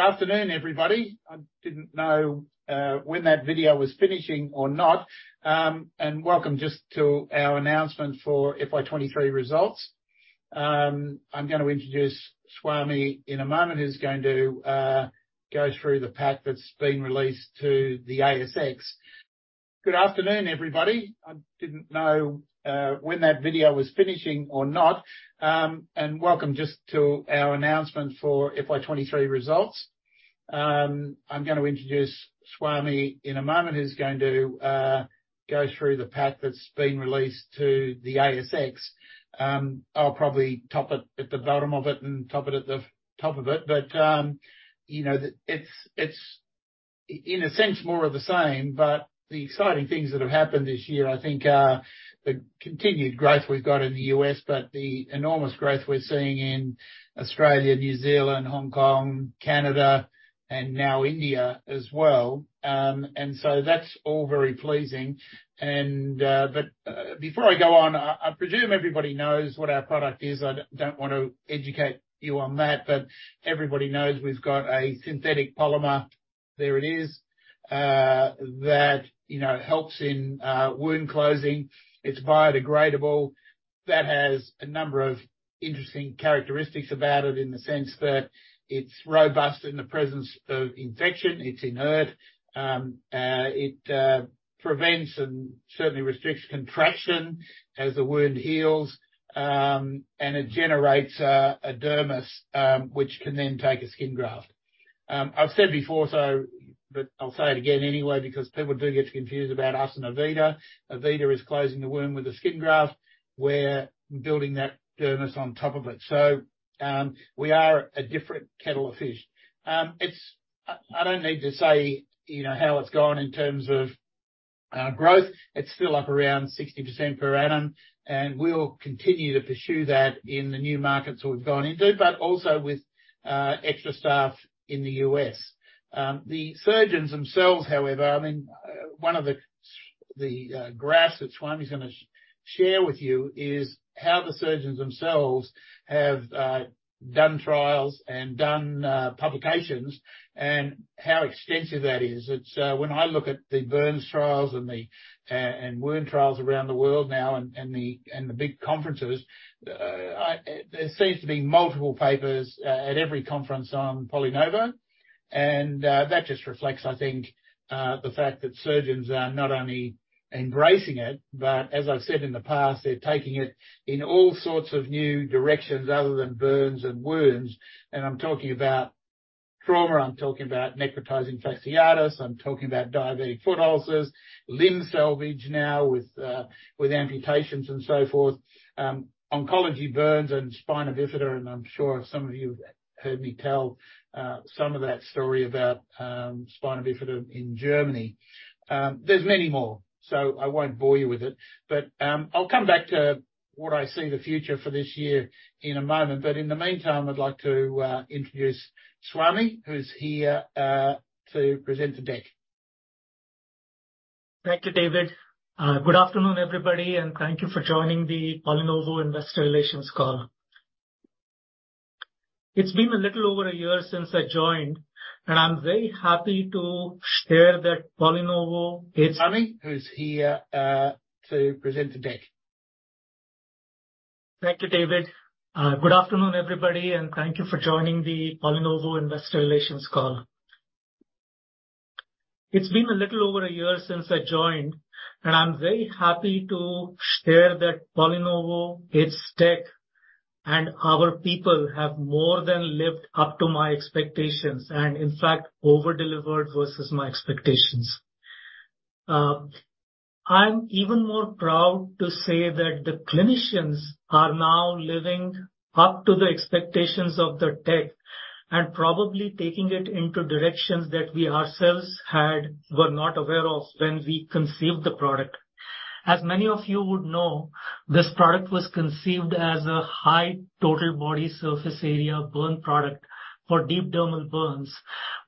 Good afternoon, everybody. I didn't know when that video was finishing or not. Welcome just to our announcement for FY23 results. I'm gonna introduce Swami in a moment, who's going to go through the pack that's been released to the ASX. Good afternoon, everybody. I didn't know when that video was finishing or not. Welcome just to our announcement for FY23 results. I'm gonna introduce Swami in a moment, who's going to go through the pack that's been released to the ASX. I'll probably top it at the bottom of it and top it at the top of it, it's, in a sense, more of the same. The exciting things that have happened this, I think, are the continued growth we've got in the U.S., but the enormous growth we're seeing in Australia, New Zealand, Hong Kong, Canada, and now India as well. That's all very pleasing. Before I go on, I, I presume everybody knows what our product is. I don't, don't want to educate you on that, but everybody knows we've got a synthetic polymer. There it is, that, helps in wound closing. It's biodegradable. That has a number of interesting characteristics about it, in the sense that it's robust in the presence of infection, it's inert, it prevents and certainly restricts contraction as the wound heals, and it generates a dermis, which can then take a skin graft. I've said before, but I'll say it again anyway, because people do get confused about us and Avita. Avita is closing the wound with a skin graft, we're building that dermis on top of it. We are a different kettle of fish. It's I, I don't need to say, how it's gone in terms of growth. It's still up around 60% per annum, and we'll continue to pursue that in the new markets we've gone into, but also with extra staff in the U.S.. The surgeons themselves, however, I mean, one of the graphs that Swami is gonna share with you, is how the surgeons themselves have done trials and done publications, and how extensive that is. It's, when I look at the burns trials and the, and wound trials around the world now and, and the, and the big conferences, I, there seems to be multiple papers, at every conference on PolyNovo. That just reflects, I think, the fact that surgeons are not only embracing it, but as I've said in the past, they're taking it in all sorts of new directions other than burns and wounds. I'm talking about trauma, I'm talking about necrotizing fasciitis, I'm talking about diabetic foot ulcers, limb salvage now with, with amputations and so forth, oncology, burns, and spina bifida, and I'm sure some of you have heard me tell, some of that story about, spina bifida in Germany. There's many more, so I won't bore you with it. I'll come back to what I see the future for this year in a moment. In the meantime, I'd like to introduce Swami, who's here to present the deck. Thank you, David. Good afternoon, everybody, and thank you for joining the PolyNovo Investor Relations call. It's been a little over a year since I joined, and I'm very happy to share that PolyNovo. Swami, who's here, to present the deck. Thank you, David. Good afternoon, everybody, and thank you for joining the PolyNovo Investor Relations call. It's been a little over a year since I joined, and I'm very happy to share that PolyNovo, its tech, and our people, have more than lived up to my expectations, and in fact, over-delivered versus my expectations. I'm even more proud to say that the clinicians are now living up to the expectations of the tech, and probably taking it into directions that we ourselves had, were not aware of when we conceived the product. As many of you would know, this product was conceived as a high total body surface area burn product for deep dermal burns,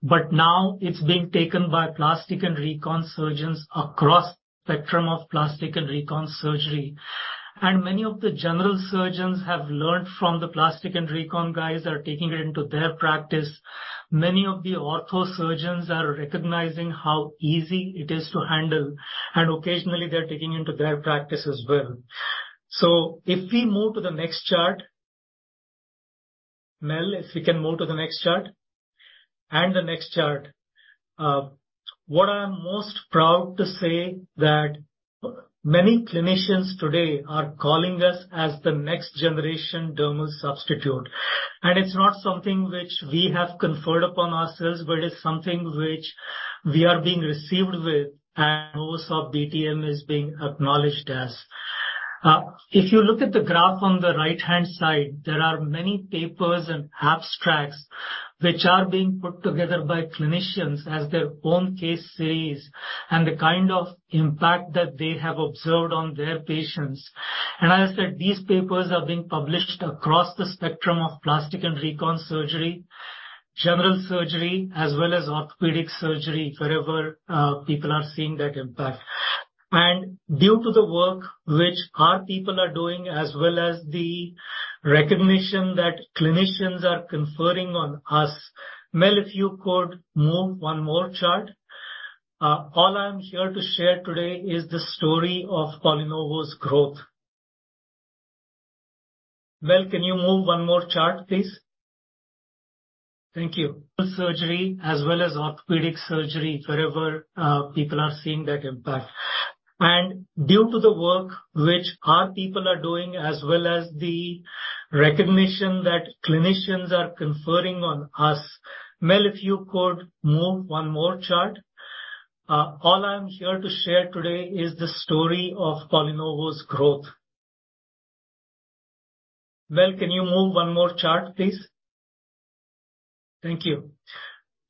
but now it's being taken by plastic and recon surgeons across the spectrum of plastic and reconstructive surgery. Many of the general surgeons have learned from the plastic and recon guys are taking it into their practice. Many of the ortho surgeons are recognizing how easy it is to handle, and occasionally they're taking into their practice as well. If we move to the next chart, Mel, if we can move to the next chart, and the next chart. What I am most proud to say that many clinicians today are calling us as the next generation dermal substitute, and it's not something which we have conferred upon ourselves, but it's something which we are being received with, and also BTM is being acknowledged as. If you look at the graph on the right-hand side, there are many papers and abstracts which are being put together by clinicians as their own case series and the kind of impact that they have observed on their patients. I said these papers are being published across the spectrum of plastic and reconstructive surgery, general surgery, as well as orthopedic surgery, wherever people are seeing that impact. Due to the work which our people are doing, as well as the recognition that clinicians are conferring on us. Mel, if you could move one more chart. All I'm here to share today is the story of PolyNovo's growth. Mel, can you move one more chart, please? Thank you. Surgery, as well as orthopedic surgery, wherever people are seeing that impact. Due to the work which our people are doing, as well as the recognition that clinicians are conferring on us. Mel, if you could move 1 more chart. All I'm here to share today is the story of PolyNovo's growth. Mel, can you move 1 more chart, please? Thank you.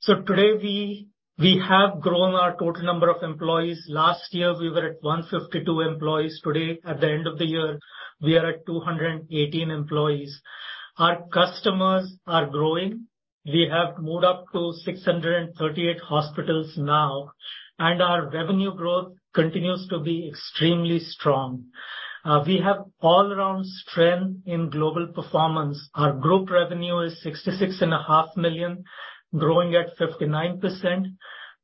Today, we have grown our total number of employees. Last year, we were at 152 employees. Today, at the end of the year, we are at 218 employees. Our customers are growing. We have moved up to 638 hospitals now, and our revenue growth continues to be extremely strong. We have all-around strength in global performance. Our group revenue is 66.5 million, growing at 59%.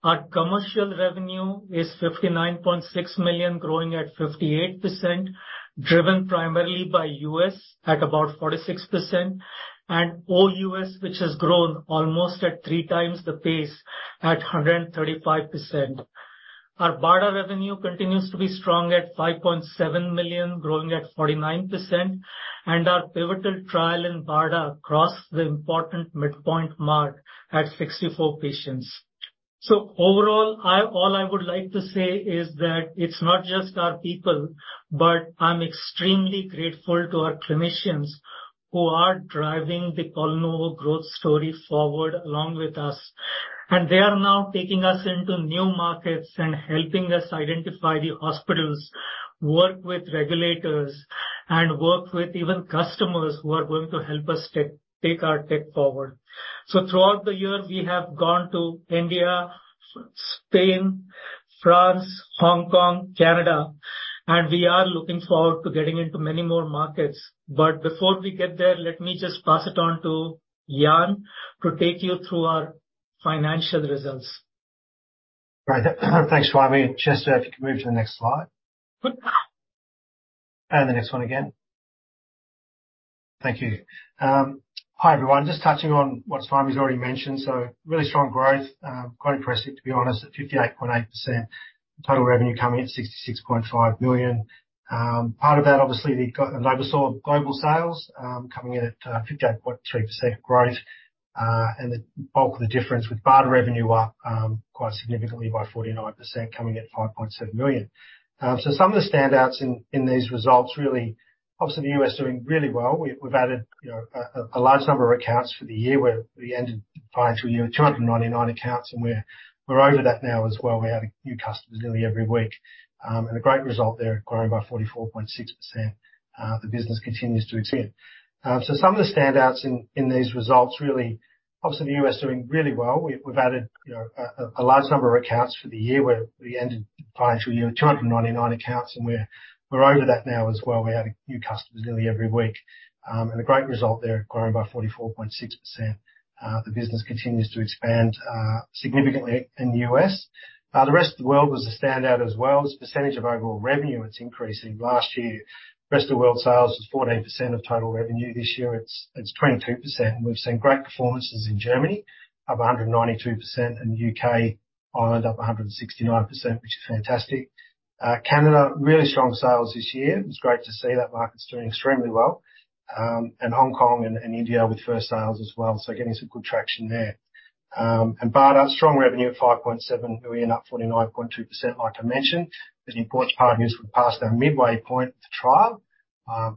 Our commercial revenue is $59.6 million, growing at 58%, driven primarily by U.S. at about 46%, OUS, which has grown almost at 3 times the pace at 135%. Our BARDA revenue continues to be strong at $5.7 million, growing at 49%, our pivotal trial in BARDA crossed the important midpoint mark at 64 patients. Overall, all I would like to say is that it's not just our people, but I'm extremely grateful to our clinicians who are driving the PolyNovo growth story forward along with us. They are now taking us into new markets and helping us identify the hospitals, work with regulators, and work with even customers who are going to help us take our tech forward. Throughout the year, we have gone to India, Spain, France, Hong Kong, Canada, and we are looking forward to getting into many more markets. But before we get there, let me just pass it on to Jan to take you through our financial results. Right. Thanks, Swami. Chester, if you could move to the next slide. Good. The next one again. Thank you. Hi, everyone. Just touching on what Swami's already mentioned. Really strong growth, quite impressive, to be honest, at 58.8%. Total revenue coming in at 66.5 million. Part of that, obviously, the go- NovoSorb global sales, coming in at 58.3% growth, and the bulk of the difference with BARDA revenue up quite significantly by 49%, coming in at 5.7 million. Some of the standouts in these results, really, obviously, the US doing really well. We've, we've added, a large number of accounts for the year, where we ended the financial year at 299 accounts, and we're, we're over that now as well. We're adding new customers nearly every week. A great result there, growing by 44.6%. The business continues to expand. Some of the standouts in, in these results, really, obviously, the U.S. doing really well. We've, we've added, a large number of accounts for the year, where we ended the financial year with 299 accounts, and we're, we're over that now as well. We're adding new customers nearly every week. A great result there, growing by 44.6%. The business continues to expand, significantly in the U.S. The rest of the world was a standout as well. As a percentage of overall revenue, it's increasing. Last year, rest of the world sales was 14% of total revenue. This year, it's, it's 22%. We've seen great performances in Germany, up 192%, and U.K., Ireland, up 169%, which is fantastic. Canada, really strong sales this year. It's great to see that market's doing extremely well. Hong Kong and, and India with first sales as well, so getting some good traction there. BARDA, strong revenue at $5.7 million, up 49.2%, like I mentioned, is an important part of news. We've passed our midway point with the trial.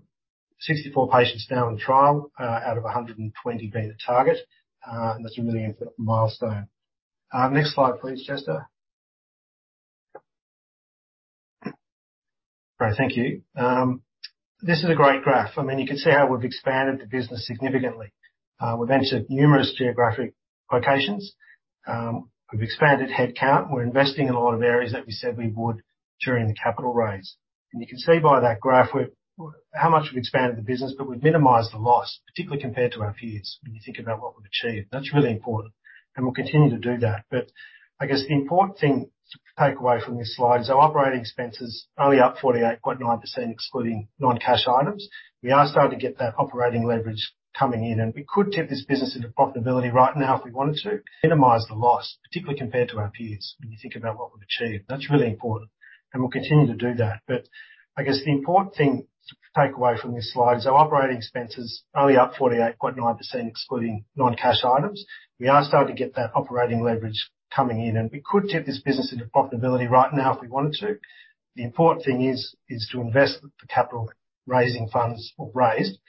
64 patients now in the trial, out of 120 being the target. That's a really important milestone. Next slide, please, Chester. Great, thank you. This is a great graph. I mean, you can see how we've expanded the business significantly. We've entered numerous geographic locations. We've expanded headcount. We're investing in a lot of areas that we said we would during the capital raise. You can see by that graph, how much we've expanded the business, but we've minimized the loss, particularly compared to our peers, when you think about what we've achieved. That's really important, and we'll continue to do that. I guess the important thing to take away from this slide is our operating expenses are only up 48.9%, excluding non-cash items. We are starting to get that operating leverage coming in, and we could tip this business into profitability right now if we wanted to, minimize the loss, particularly compared to our peers, when you think about what we've achieved. That's really important, and we'll continue to do that. I guess the important thing to take away from this slide is our operating expenses are only up 48.9%, excluding non-cash items. We are starting to get that operating leverage coming in, and we could tip this business into profitability right now if we wanted to. The important thing is, is to invest the capital, raising funds or raised,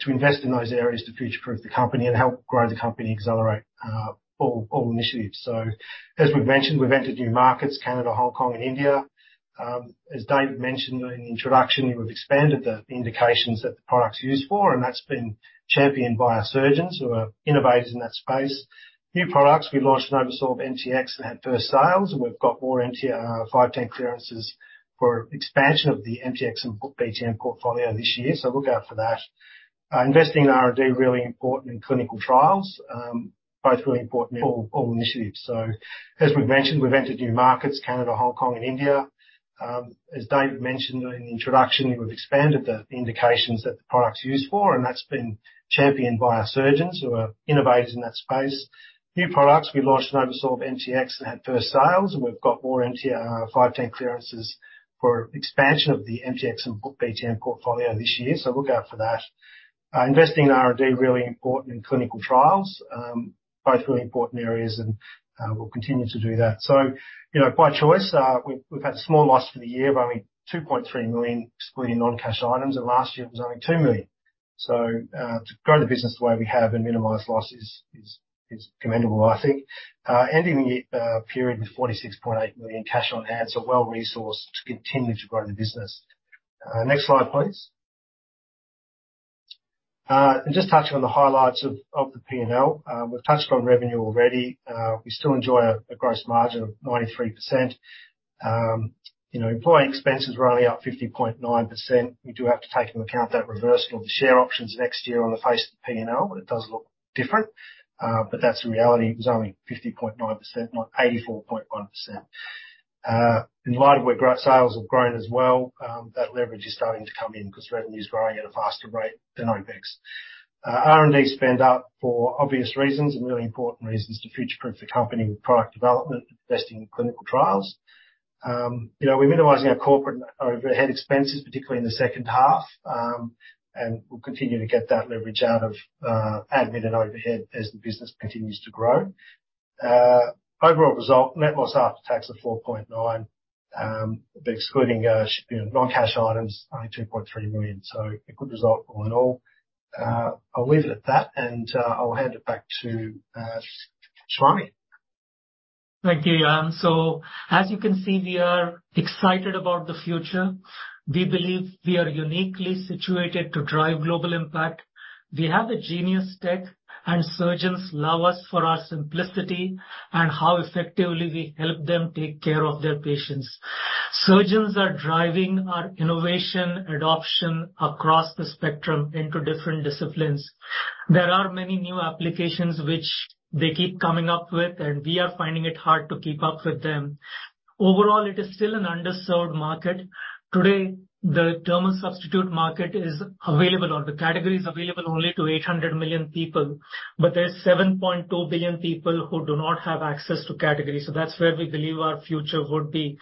to invest in those areas to future-proof the company and help grow the company and accelerate all, all initiatives. As we've mentioned, we've entered new markets, Canada, Hong Kong, and India. As David mentioned in the introduction, we've expanded the indications that the product's used for, and that's been championed by our surgeons who are innovators in that space. New products, we launched NovoSorb MTX and had first sales, and we've got more NT, 510 clearances for expansion of the MTX and BTM portfolio this year. Look out for that. Investing in R&D, really important in clinical trials. Both really important all, all initiatives. As we've mentioned, we've entered new markets, Canada, Hong Kong, and India. As Dave mentioned in the introduction, we've expanded the indications that the product's used for, and that's been championed by our surgeons who are innovators in that space. New products, we launched NovoSorb MTX, and had first sales, and we've got more NT, 510 clearances for expansion of the MTX and BTM portfolio this year. Look out for that. Investing in R&D, really important in clinical trials. Both really important areas, and, we'll continue to do that. You know, by choice, we've had a small loss for the year of only 2.3 million, excluding non-cash items, and last year it was only 2 million. To grow the business the way we have and minimize losses is commendable, I think. Ending the period with 46.8 million cash on hand, so well-resourced to continue to grow the business. Next slide, please. And just touching on the highlights of the P&L. We've touched on revenue already. We still enjoy a gross margin of 93%. You know, employee expenses were only up 50.9%. We do have to take into account that reversal of the share options next year on the face of the P&L, it does look different. That's the reality. It was only 50.9%, not 84.1%. In light of where sales have grown as well, that leverage is starting to come in, because revenue is growing at a faster rate than OpEx. R&D spend up for obvious reasons and really important reasons to future-proof the company with product development, investing in clinical trials. You know, we're minimizing our corporate overhead expenses, particularly in the second half, and we'll continue to get that leverage out of admin and overhead as the business continues to grow. Overall result, net loss after tax of 4.9, but excluding, non-cash items, only 2.3 million. A good result all in all. I'll leave it at that, and I'll hand it back to Swami. Thank you, Jan. As you can see, we are excited about the future. We believe we are uniquely situated to drive global impact. We have a genius tech, and surgeons love us for our simplicity and how effectively we help them take care of their patients. Surgeons are driving our innovation adoption across the spectrum into different disciplines. There are many new applications which they keep coming up with, and we are finding it hard to keep up with them. Overall, it is still an underserved market. Today, the dermal substitute market is available, or the category is available only to 800 million people, but there's 7.2 billion people who do not have access to category. That's where we believe our future would be.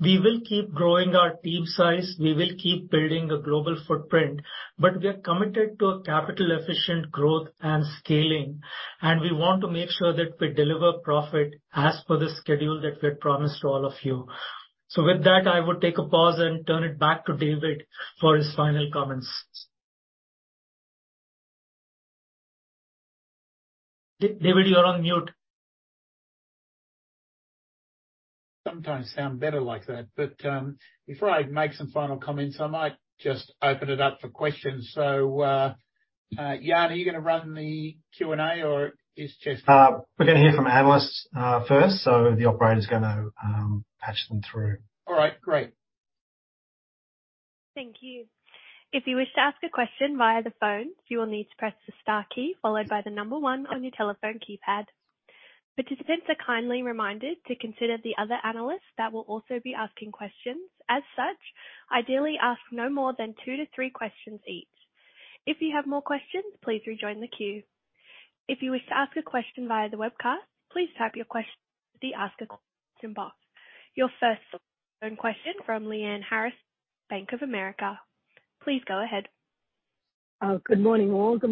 We will keep growing our team size. We will keep building a global footprint. We are committed to a capital-efficient growth and scaling. We want to make sure that we deliver profit as per the schedule that we had promised to all of you. With that, I would take a pause and turn it back to David for his final comments. David, you're on mute. Sometimes sound better like that, but, before I make some final comments, I might just open it up for questions. Jan, are you gonna run the Q&A or is Chester? We're gonna hear from analysts first, so the operator is gonna patch them through. All right, great. Thank you. If you wish to ask a question via the phone, you will need to press the star key followed by the 1 on your telephone keypad. Participants are kindly reminded to consider the other analysts that will also be asking questions. As such, ideally, ask no more than 2-3 questions each. If you have more questions, please rejoin the queue. If you wish to ask a question via the webcast, please type your question in the Ask a Question box. Your first question from Liane Harrison, Bank of America. Please go ahead. Good morning, all. Good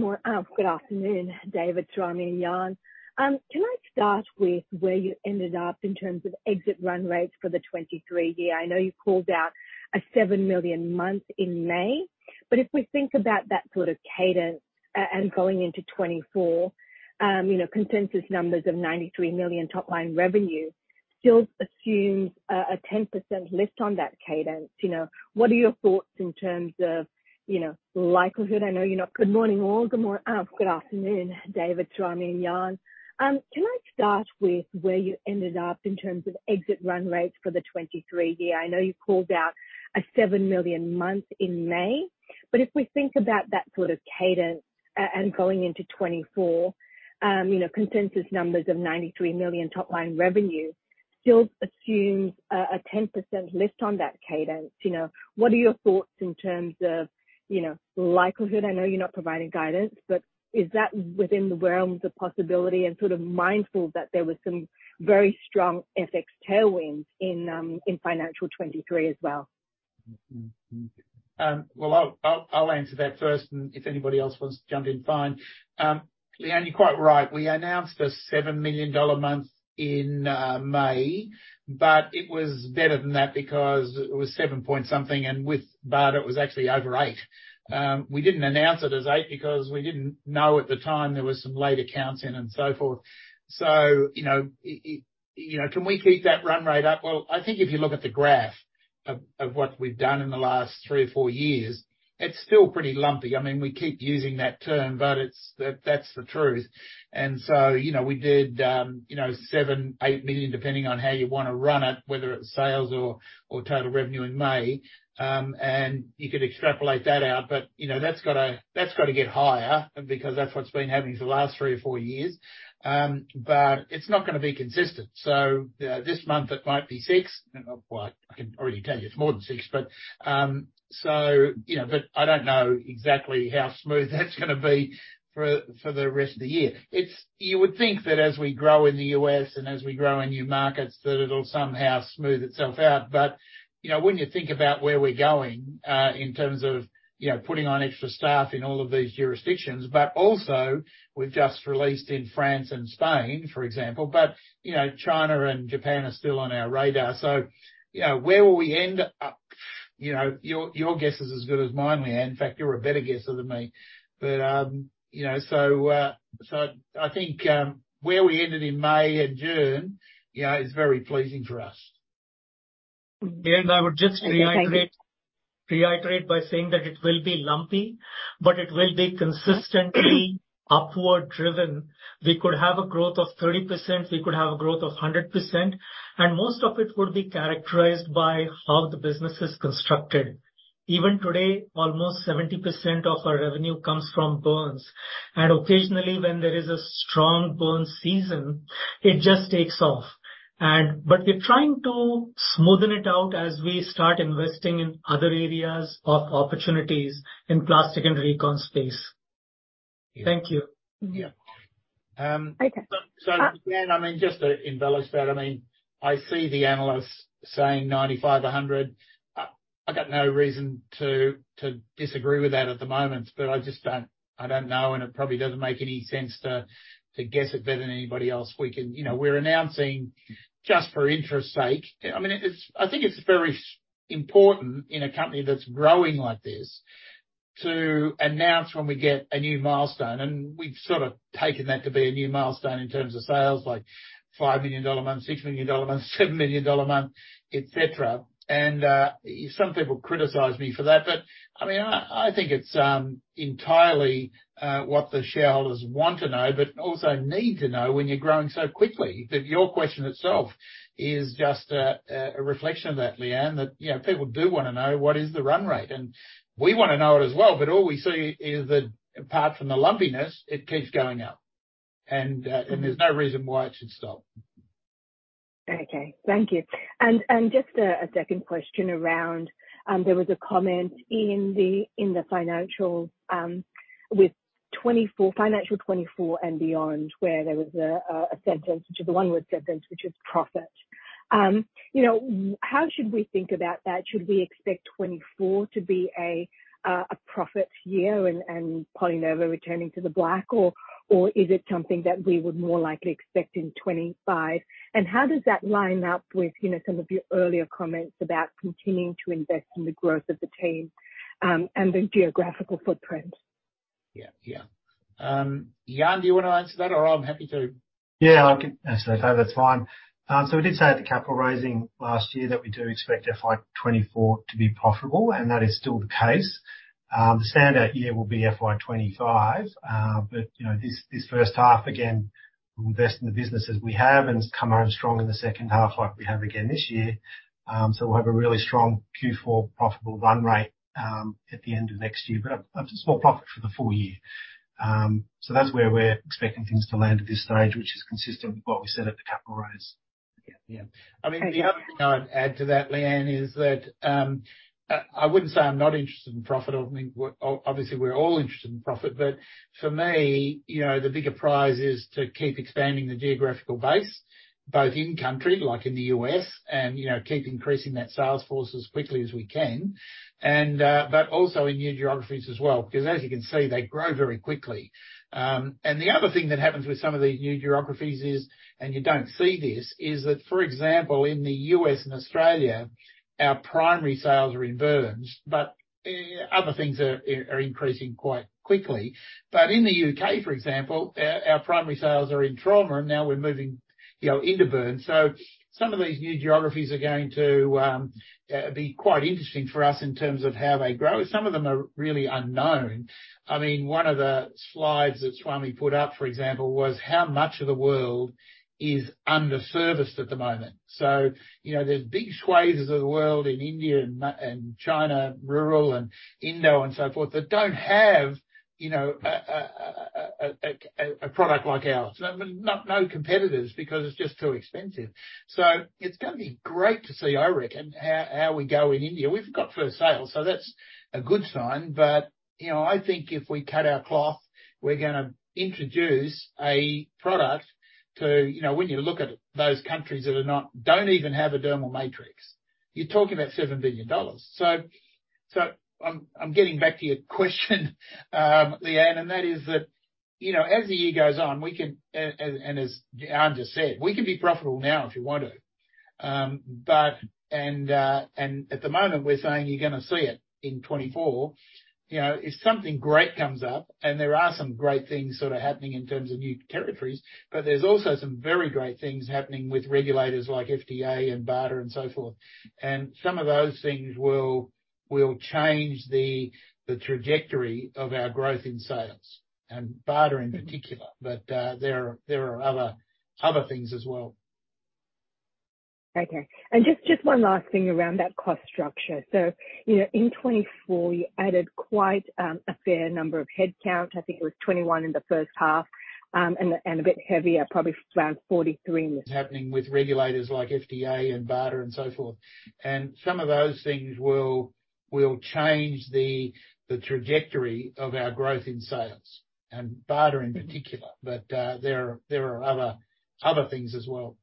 afternoon, David, Swami, and Jan. Can I start with where you ended up in terms of exit run rates for the 2023 year? I know you called out a $7 million month in May, but if we think about that sort of cadence and going into 2024,consensus numbers of $93 million top-line revenue still assumes a, a 10% lift on that cadence. What are your thoughts in terms of, likelihood? Good morning, all. Good afternoon, David, Swami, and Jan. Can I start with where you ended up in terms of exit run rates for the 2023 year? I know you called out a $7 million month in May. If we think about that sort of cadence and going into 2024, consensus numbers of $93 million top-line revenue still assumes a 10% lift on that cadence. You know, what are your thoughts in terms of, likelihood? I know you're not providing guidance, but is that within the realms of possibility and sort of mindful that there were some very strong FX tailwinds in financial 2023 as well? Well, I'll, I'll, I'll answer that first, and if anybody else wants to jump in, fine. Leanne, you're quite right. We announced a $7 million month in May, but it was better than that because it was 7-point something, and with BARDA, it was actually over 8. We didn't announce it as 8 because we didn't know at the time there was some late accounts in and so forth. You know, it, can we keep that run rate up? Well, I think if you look at the graph- Of what we've done in the last three or four years, it's still pretty lumpy. I mean, we keep using that term, but it's, that's the truth. So, we did, 7 million-8 million, depending on how you wanna run it, whether it's sales or, or total revenue in May. You could extrapolate that out, but, that's gotta, that's gotta get higher because that's what's been happening for the last three or four years. But it's not gonna be consistent. This month it might be 6. Well, I can already tell you it's more than 6, but, so, but I don't know exactly how smooth that's gonna be for, for the rest of the year. It's You would think that as we grow in the U.S. and as we grow in new markets, that it'll somehow smooth itself out. You know, when you think about where we're going, in terms of, putting on extra staff in all of these jurisdictions, but also we've just released in France and Spain, for example. You know, China and Japan are still on our radar. You know, where will we end up? Your, your guess is as good as mine, Leanne. In fact, you're a better guesser than me. So, I think, where we ended in May and June, is very pleasing for us. I would just reiterate. Thank you. Reiterate by saying that it will be lumpy, but it will be consistently upward driven. We could have a growth of 30%, we could have a growth of 100%, and most of it would be characterized by how the business is constructed. Even today, almost 70% of our revenue comes from burns, and occasionally when there is a strong burn season, it just takes off. We're trying to smoothen it out as we start investing in other areas of opportunities in plastic and recon space. Thank you. Mm-hmm. Yeah. Okay. Again, I mean, just to embellish that, I mean, I see the analysts saying 95, 100. I've got no reason to, to disagree with that at the moment, but I just don't... I don't know, and it probably doesn't make any sense to, to guess it better than anybody else. We can, we're announcing just for interest's sake. I mean, it's, I think it's very important in a company that's growing like this, to announce when we get a new milestone, and we've sort of taken that to be a new milestone in terms of sales, like 5 million dollar a month, 6 million dollar a month, 7 million dollar a month, et cetera. Some people criticize me for that, but, I mean, I, I think it's entirely what the shareholders want to know, but also need to know when you're growing so quickly. Your question itself is just a, a reflection of that, Leanne, that, people do wanna know what is the run rate, and we wanna know it as well, but all we see is that apart from the lumpiness, it keeps going up, and there's no reason why it should stop. Okay. Thank you. Just a, a second question around, there was a comment in the, in the financial, with 2024, financial 2024 and beyond, where there was a, a, a sentence, which is a one-word sentence, which is profit. You know, how should we think about that? Should we expect 2024 to be a, a profit year and, and PolyNovo returning to the black, or, or is it something that we would more likely expect in 2025? How does that line up with, some of your earlier comments about continuing to invest in the growth of the team, and the geographical footprint? Yeah. Yeah. Jan, do you wanna answer that, or I'm happy to? Yeah, I can answer that. That's fine. We did say at the capital raising last year that we do expect FY24 to be profitable, and that is still the case. The standout year will be FY25. You know, this, this first half, again, we'll invest in the business as we have and come out strong in the second half, like we have again this year. We'll have a really strong Q4 profitable run rate at the end of next year, but a, a small profit for the full year. That's where we're expecting things to land at this stage, which is consistent with what we said at the capital raise. Yeah. Yeah. Okay. I mean, the other thing I'd add to that, Leanne, is that, I wouldn't say I'm not interested in profit. Obviously, we're all interested in profit, but for me, the bigger prize is to keep expanding the geographical base, both in country, like in the U.S. and, keep increasing that sales force as quickly as we can, and also in new geographies as well, because as you can see, they grow very quickly. The other thing that happens with some of these new geographies is, and you don't see this, is that, for example, in the U.S. and Australia, our primary sales are in burns, but other things are, are increasing quite quickly. In the UK, for example, our, our primary sales are in trauma, and now we're moving, into burns. Some of these new geographies are going to be quite interesting for us in terms of how they grow. Some of them are really unknown. I mean, one of the slides that Swami put up, for example, was how much of the world is underserviced at the moment. You know, there's big swathes of the world in India and China, rural, and Indonesia and so forth, that don't have,a product like ours. No competitors, because it's just too expensive. It's gonna be great to see, I reckon, how we go in India. We've got first sales, so that's a good sign. I think if we cut our cloth, we're gonna introduce a product to... You know, when you look at those countries that are not, don't even have a dermal matrix, you're talking about $7 billion. I'm getting back to your question, Leanne, and that is that, as the year goes on, we can and as Jan just said, we can be profitable now if you want to. At the moment, we're saying you're gonna see it in 2024. If something great comes up, and there are some great things sort of happening in terms of new territories, but there's also some very great things happening with regulators like FDA and BARDA and so forth. Some of those things will, will change the, the trajectory of our growth in sales and BARDA in particular. There are other things as well. Okay. Just, just one last thing around that cost structure. In 2024, you added quite a fair number of headcount. I think it was 21 in the first half, and a bit heavier, probably around 43 in the. Happening with regulators like FDA and BARDA and so forth. Some of those things will, will change the, the trajectory of our growth in sales and BARDA in particular. There are, there are other, other things as well.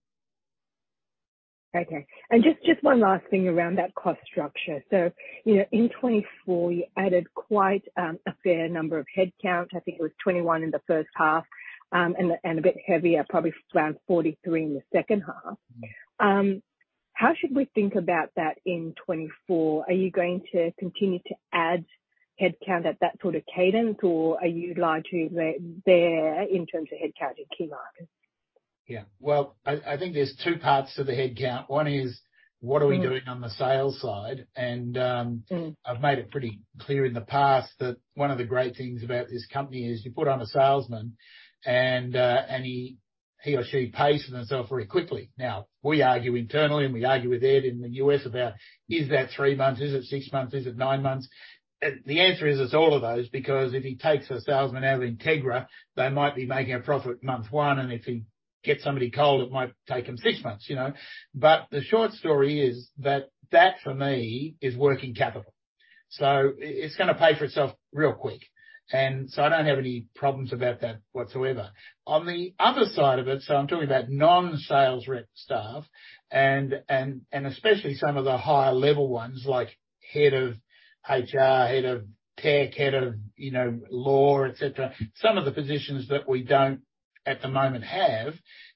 Okay. Just, just one last thing around that cost structure. In 2024, you added quite a fair number of headcount. I think it was 21 in the first half, and a bit heavier, probably around 43 in the second half. How should we think about that in 2024? Are you going to continue to add headcount at that sort of cadence, or are you likely to re- bear in terms of headcount in key markets? Yeah. Well, I, I think there's 2 parts to the headcount. One is: What are we doing on the sales side? Mm. And, um- Mm I've made it pretty clear in the past that one of the great things about this company is you put on a salesman, and he or she pays for themself very quickly. We argue internally, and we argue with Ed in the U.S. about, is that 3 months? Is it 6 months? Is it 9 months? The answer is, it's all of those, because if he takes a salesman out of Integra, they might be making a profit month 1, and if he gets somebody cold, it might take him 6 months? The short story is that that, for me, is working capital. So it's gonna pay for itself real quick. So I don't have any problems about that whatsoever. On the other side of it, so I'm talking about non-sales rep staff and, and, and especially some of the higher level ones, like head of HR, head of tech, head of, law, et cetera. Some of the positions that we don't, at the moment have,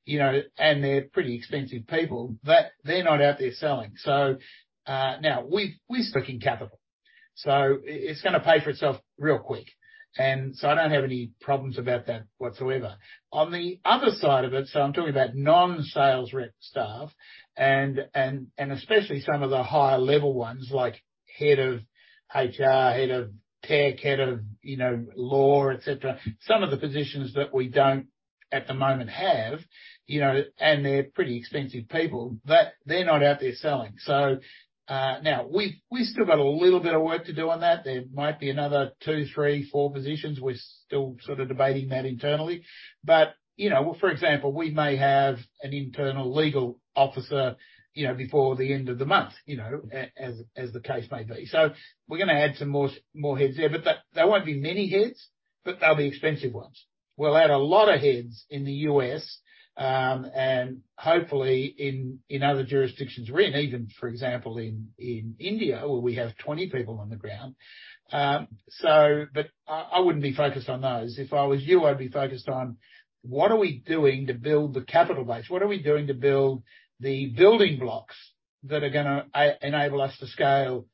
and they're pretty expensive people, but they're not out there selling. Now, we've still working capital, so it's gonna pay for itself real quick. I don't have any problems about that whatsoever. On the other side of it, so I'm talking about non-sales rep staff and, and, and especially some of the higher level ones, like head of HR, head of tech, head of, law, et cetera. Some of the positions that we don't, at the moment have, and they're pretty expensive people, but they're not out there selling. Now, we've, we've still got a little bit of work to do on that. There might be another two, three, four positions. We're still sort of debating that internally. For example, we may have an internal legal officer, before the end of the month, as, as the case may be. We're gonna add some more more heads there, but that... There won't be many heads, but they'll be expensive ones. We'll add a lot of heads in the U.S. and hopefully in, in other jurisdictions we're in, even, for example, in, in India, where we have 20 people on the ground. But I, I wouldn't be focused on those. If I was you, I'd be focused on: What are we doing to build the capital base? What are we doing to build the building blocks that are gonna enable us to scale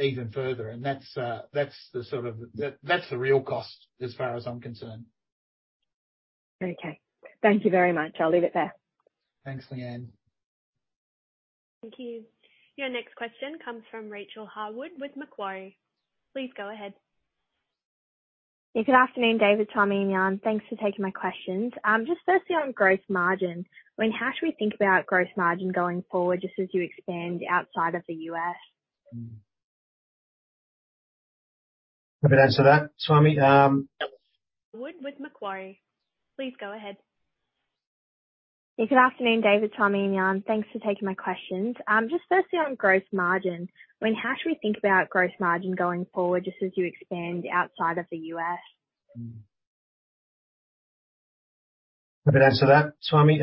even further? That's the sort of.. That's the real cost as far as I'm concerned. Okay. Thank you very much. I'll leave it there. Thanks, Leanne. Thank you. Your next question comes from Rachael Harwood with Macquarie. Please go ahead. Yeah, good afternoon, David, Swami, and Jan. Thanks for taking my questions. Just firstly on gross margin, I mean, how should we think about gross margin going forward just as you expand outside of the U.S.? Happy to answer that, Swami? Harwood with Macquarie, please go ahead. Yeah, good afternoon, David, Swami, and Jan. Thanks for taking my questions. Just firstly on gross margin, I mean, how should we think about gross margin going forward just as you expand outside of the U.S.? Happy to answer that, Swami.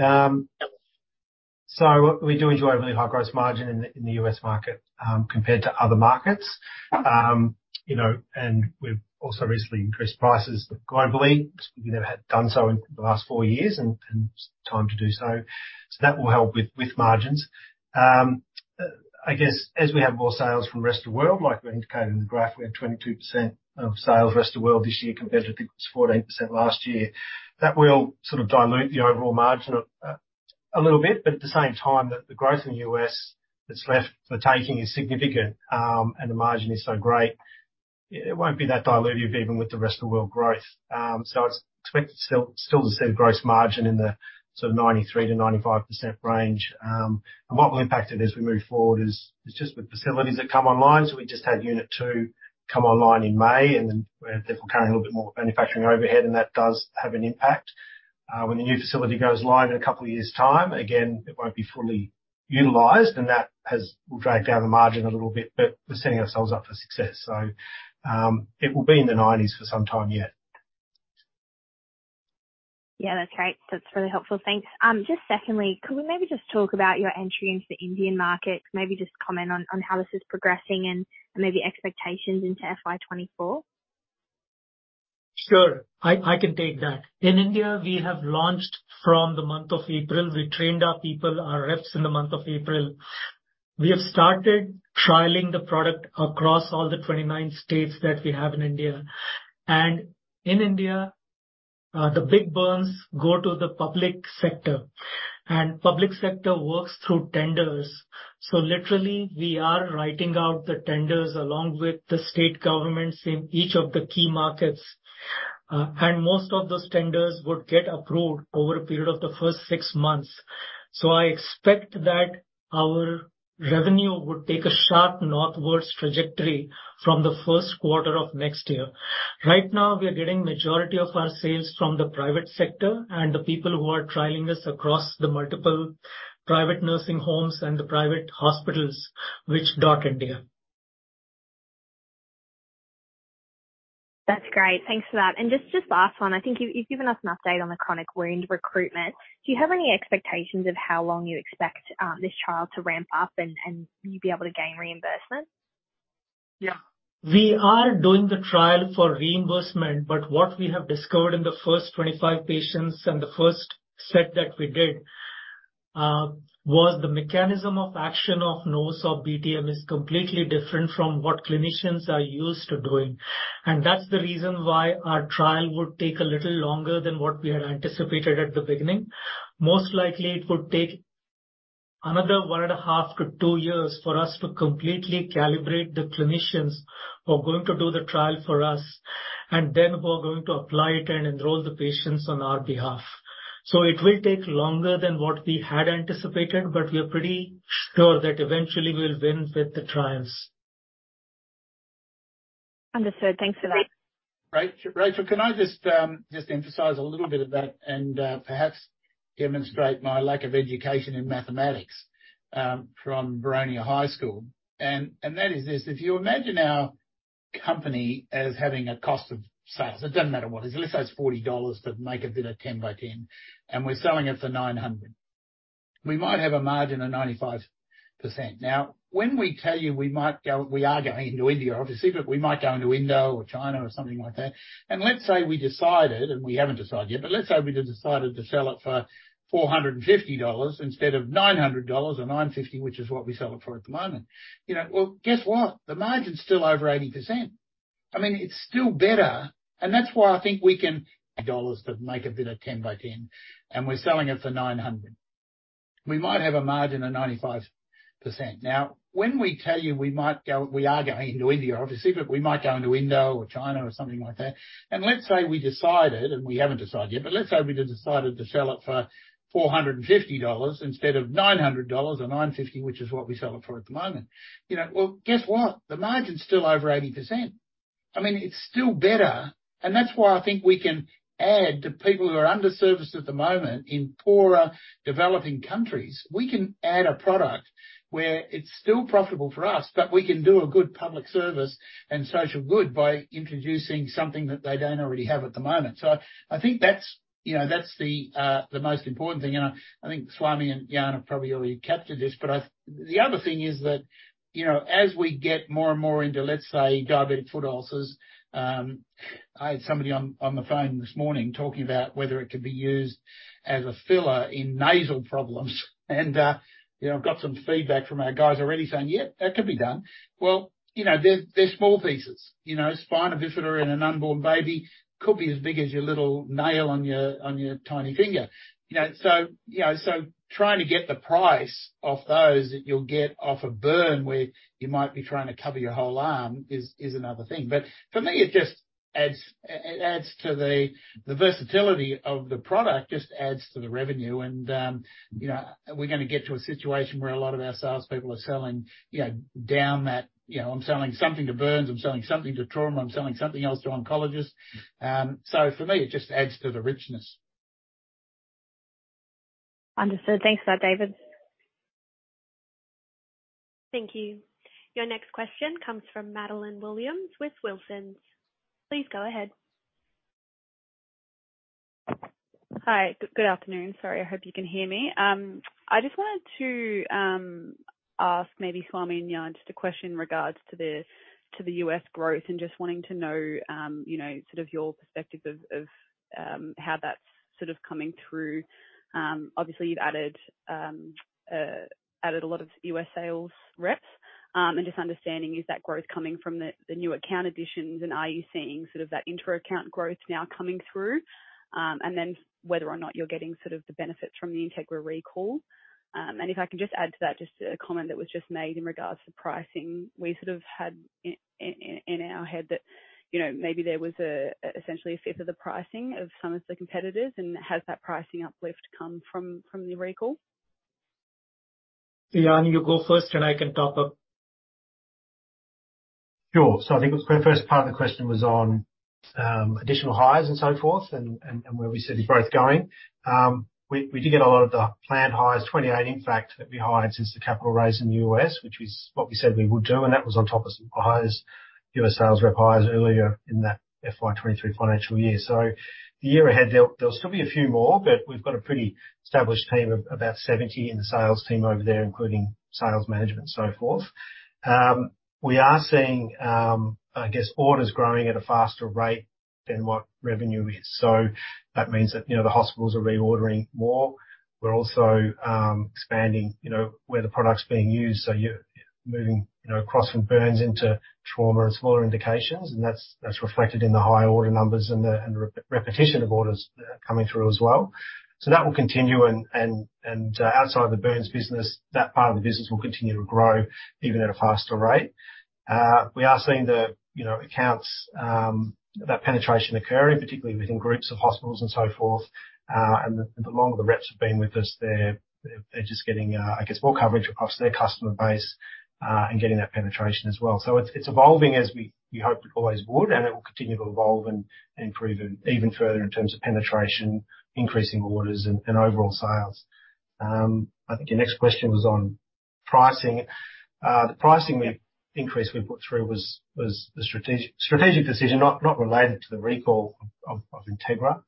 We do enjoy a really high gross margin in the, in the U.S. market, compared to other markets. And we've also recently increased prices globally. We never had done so in the last four years and, and it's time to do so. That will help with, with margins. I guess as we have more sales from the rest of the world, like we indicated in the graph, we have 22% of sales rest of the world this year compared to I think it was 14% last year. That will sort of dilute the overall margin a little bit, but at the same time, the, the growth in the U.S. that's left for the taking is significant, and the margin is so great. It won't be that dilutive even with the rest of the world growth. I expect to still to see the gross margin in the sort of 93%-95% range. And what will impact it as we move forward is just the facilities that come online. We just had unit two come online in May, and then we're carrying a little bit more manufacturing overhead, and that does have an impact. When the new facility goes live in a couple of years' time, again, it won't be fully utilized, and that will drag down the margin a little bit, but we're setting ourselves up for success. It will be in the 90s for some time yet. Yeah, that's great. That's really helpful. Thanks. Just secondly, could we maybe just talk about your entry into the Indian market? Maybe just comment on how this is progressing and maybe expectations into FY24. Sure, I, I can take that. In India, we have launched from the month of April. We trained our people, our reps, in the month of April. We have started trialing the product across all the 29 states that we have in India. In India, the big burns go to the public sector, and public sector works through tenders. Literally, we are writing out the tenders along with the state governments in each of the key markets. Most of those tenders would get approved over a period of the first six months. I expect that our revenue would take a sharp northwards trajectory from the Q1 of next year. Right now, we are getting majority of our sales from the private sector and the people who are trialing this across the multiple private nursing homes and the private hospitals which dot India. That's great. Thanks for that. Just, just last one. I think you've, you've given us an update on the chronic wound recruitment. Do you have any expectations of how long you expect this trial to ramp up and, and you'd be able to gain reimbursement? Yeah. We are doing the trial for reimbursement, but what we have discovered in the first 25 patients and the first set that we did, was the mechanism of action of NovoSorb BTM is completely different from what clinicians are used to doing, and that's the reason why our trial would take a little longer than what we had anticipated at the beginning. Most likely, it would take another 1.5 to two years for us to completely calibrate the clinicians who are going to do the trial for us, and then who are going to apply it and enroll the patients on our behalf. It will take longer than what we had anticipated, but we are pretty sure that eventually we'll win with the trials. Understood. Thanks for that. Rachel, can I just, just emphasize a little bit of that and perhaps demonstrate my lack of education in mathematics, from Boronia High School, and, and that is this: if you imagine our company as having a cost of I mean, it's still better, that's why I think we can add to people who are underserviced at the moment in poorer, developing countries. We can add a product where it's still profitable for us, we can do a good public service and social good by introducing something that they don't already have at the moment. I think that's, you know, that's the most important thing, and I, I think Swami and Jan have probably already captured this. The other thing is that, you know, as we get more and more into, let's say, diabetic foot ulcers, I had somebody on, on the phone this morning talking about whether it could be used as a filler in nasal problems. You know, I've got some feedback from our guys already saying, "Yep, that could be done." Well, you know, they're, they're small pieces. You know, spina bifida in an unborn baby could be as big as your little nail on your, on your tiny finger. You know, so, you know, so trying to get the price off those, that you'll get off a burn where you might be trying to cover your whole arm is, is another thing. For me, it just adds, it adds to the, the versatility of the product, just adds to the revenue. You know, we're gonna get to a situation where a lot of our salespeople are selling, you know, down that, "You know, I'm selling something to burns, I'm selling something to trauma, I'm selling something else to oncologists." For me, it just adds to the richness. Understood. Thanks for that, David. Thank you. Your next question comes from Madeline Williams with Wilson. Please go ahead. Hi. Good, good afternoon. Sorry, I hope you can hear me. I just wanted to ask maybe Swami and Jan, just a question in regards to the US growth and just wanting to know, you know, sort of your perspective of how that's sort of coming through. Obviously, you've added, added a lot of US sales reps, and just understanding, is that growth coming from the new account additions, and are you seeing sort of that inter-account growth now coming through? Whether or not you're getting sort of the benefits from the Integra recall. If I can just add to that, just a comment that was just made in regards to pricing. We sort of had in our head that, you know, maybe there was essentially a fifth of the pricing of some of the competitors, and has that pricing uplift come from, from the recall? Jan, you go first, and I can top up. Sure. I think the first part of the question was on, additional hires and so forth and, and, and where we see the growth going. We, we did get a lot of the planned hires, 28, in fact, that we hired since the capital raise in the US, which is what we said we would do, and that was on top of some hires, U.S. sales rep hires earlier in that FY23 financial year. The year ahead, there'll, there'll still be a few more, but we've got a pretty established team of about 70 in the sales team over there, including sales management and so forth. We are seeing, I guess, orders growing at a faster rate than what revenue is. That means that, you know, the hospitals are reordering more. We're also, expanding, you know, where the product's being used. You're, moving, you know, across from burns into trauma and smaller indications, and that's, that's reflected in the high order numbers and the, and the repetition of orders, coming through as well. That will continue and, and, and, outside the burns business, that part of the business will continue to grow even at a faster rate. We are seeing the, you know, accounts, that penetration occurring, particularly within groups of hospitals and so forth. And the, the longer the reps have been with us, they're, they're just getting, I guess, more coverage across their customer base, and getting that penetration as well. It's, it's evolving as we, we hoped it always would, and it will continue to evolve and improve even, even further in terms of penetration, increasing orders and, and overall sales. I think your next question was on pricing. The pricing increase we put through was a strategic decision, not related to the recall of Integra.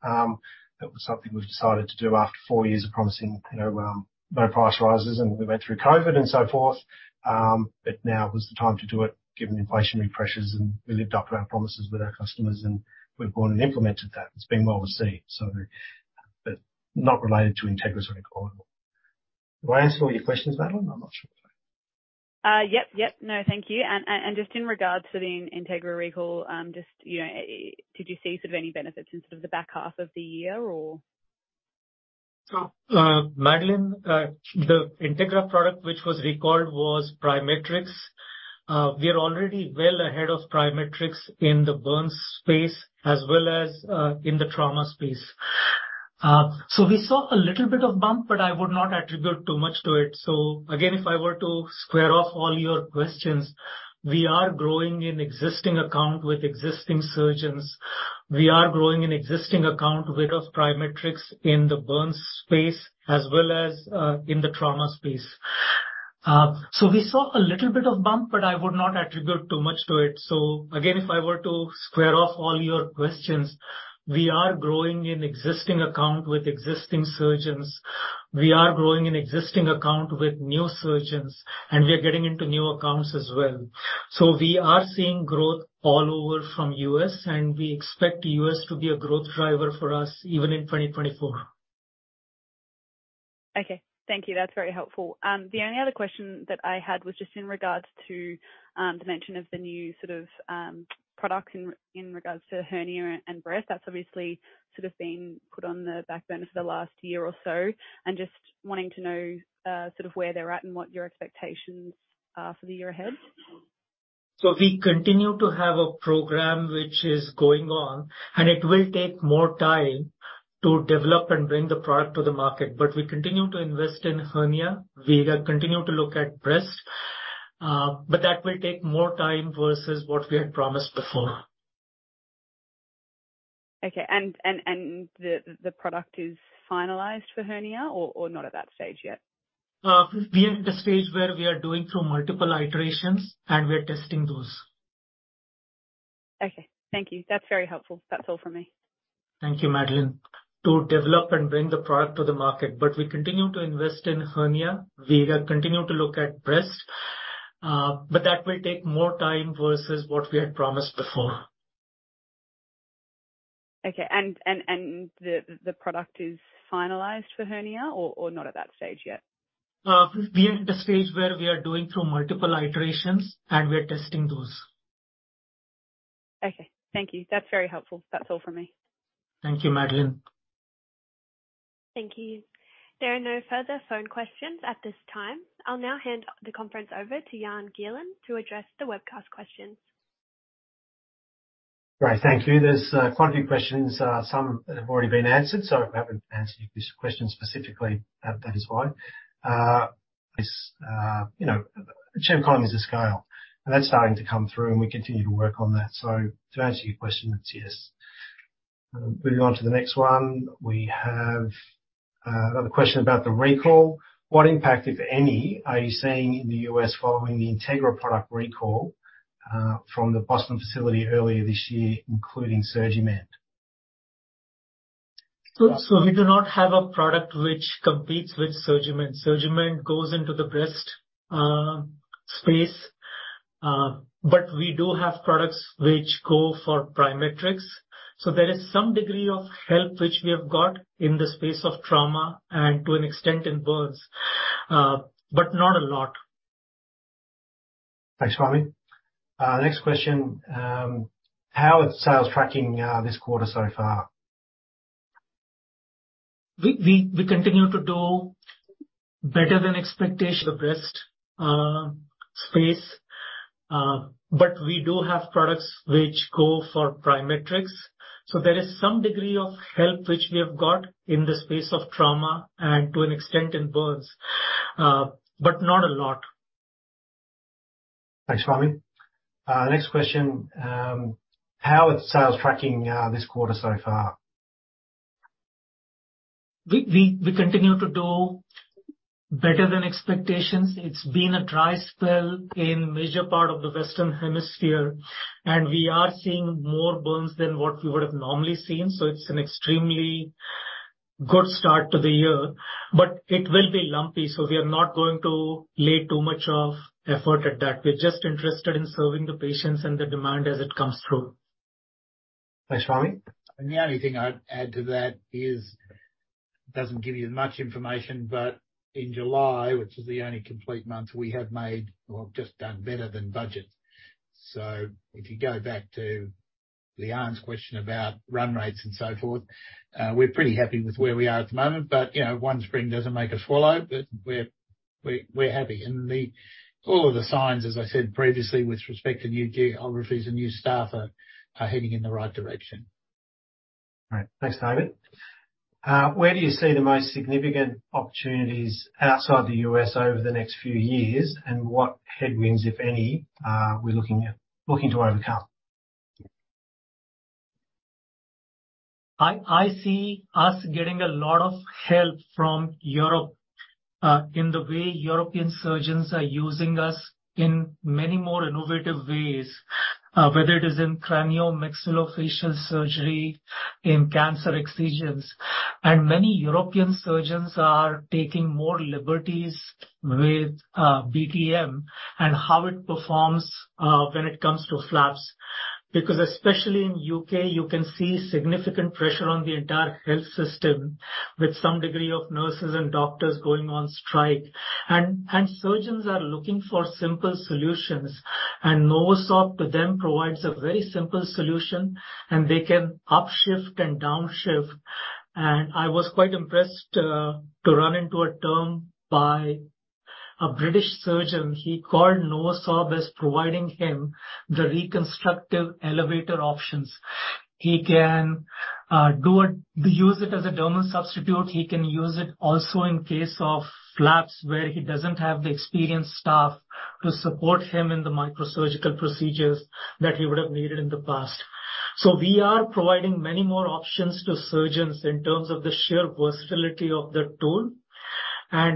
That was something we've decided to do after four years of promising, no price rises, and we went through COVID and so forth. Now was the time to do it, given the inflationary pressures, and we lived up to our promises with our customers, and we've gone and implemented that. It's been well received, but not related to Integra's recall. Did I answer all your questions, Madeline? I'm not sure if I. Yep, yep. No, thank you. Just in regards to the Integra recall, just, did you see sort of any benefits in sort of the back half of the year, or? Madeline, the Integra product, which was recalled, was PriMatrix. We are already well ahead of PriMatrix in the burns space as well as in the trauma space. We saw a little bit of bump, but I would not attribute too much to it. Again, if I were to square off all your questions, we are growing in existing account with existing surgeons. We are growing in existing account with PriMatrix in the burns space as well as in the trauma space. We saw a little bit of bump, but I would not attribute too much to it. Again, if I were to square off all your questions, we are growing in existing account with existing surgeons. We are growing in existing account with new surgeons, and we are getting into new accounts as well. We are seeing growth all over from U.S. and we expect U.S. to be a growth driver for us even in 2024. Okay. Thank you. That's very helpful. The only other question that I had was just in regards to the mention of the new sort of product in regards to hernia and breast. That's obviously sort of been put on the back burner for the last year or so, and just wanting to know sort of where they're at and what your expectations are for the year ahead. We continue to have a program which is going on, and it will take more time to develop and bring the product to the market. We continue to invest in hernia, we are continue to look at breast, but that will take more time versus what we had promised before. Okay, the, the product is finalized for hernia or, or not at that stage yet? We are at the stage where we are doing through multiple iterations. We're testing those. Okay. Thank you. That's very helpful. That's all for me. Thank you, Madeline. To develop and bring the product to the market, we continue to invest in hernia. We are continue to look at breast, that will take more time versus what we had promised before. Okay, the, the product is finalized for hernia or, or not at that stage yet? We are at the stage where we are doing through multiple iterations. We're testing those. Okay. Thank you. That's very helpful. That's all for me. Thank you, Madeline. Thank you. There are no further phone questions at this time. I'll now hand the conference over to Jan Gielen to address the webcast questions. Great, thank you. There's a quite a few questions. Some have already been answered, so if I haven't answered your question specifically, that is why. Is, economies of scale, and that's starting to come through, and we continue to work on that. To answer your question, it's yes. Moving on to the next one, we have another question about the recall. What impact, if any, are you seeing in the U.S. following the Integra product recall, from the Boston facility earlier this year, including SurgiMend? We do not have a product which competes with SurgiMend. SurgiMend goes into the breast, space, but we do have products which go for PriMatrix. There is some degree of help which we have got in the space of trauma and to an extent in burns, but not a lot. Thanks, Swami. Next question. How is sales tracking this quarter so far? We continue to do better than expectations, the breast space, but we do have products which go for PriMatrix. There is some degree of help which we have got in the space of trauma and to an extent in burns, but not a lot. Thanks, Swami. Next question. How is sales tracking this quarter so far? We, we, we continue to do better than expectations. It's been a dry spell in major part of the Western Hemisphere. We are seeing more burns than what we would have normally seen. It's an extremely good start to the year, but it will be lumpy. We are not going to lay too much of effort at that. We're just interested in serving the patients and the demand as it comes through. Thanks, Swami. The only thing I'd add to that is, doesn't give you much information, but in July, which is the only complete month, we have made or just done better than budget. If you go back to Leon's question about run rates and so forth, we're pretty happy with where we are at the moment, but, one spring doesn't make a swallow. We're, we're, we're happy. The, all of the signs, as I said previously, with respect to new geographies and new staff, are, are heading in the right direction. All right. Thanks, David. Where do you see the most significant opportunities outside the U.S. over the next few years? What headwinds, if any, looking to overcome? I see us getting a lot of help from Europe, in the way European surgeons are using us in many more innovative ways, whether it is in craniomaxillofacial surgery, in cancer excisions. Many European surgeons are taking more liberties with BTM and how it performs when it comes to flaps. Because especially in U.K., you can see significant pressure on the entire health system, with some degree of nurses and doctors going on strike. Surgeons are looking for simple solutions, and NovoSorb to them provides a very simple solution, and they can up shift and down shift. I was quite impressed to run into a term by a British surgeon. He called NovoSorb as providing him the reconstructive elevator options. He can use it as a dermal substitute. He can use it also in case of flaps, where he doesn't have the experienced staff to support him in the microsurgical procedures that he would have needed in the past. We are providing many more options to surgeons in terms of the sheer versatility of the tool.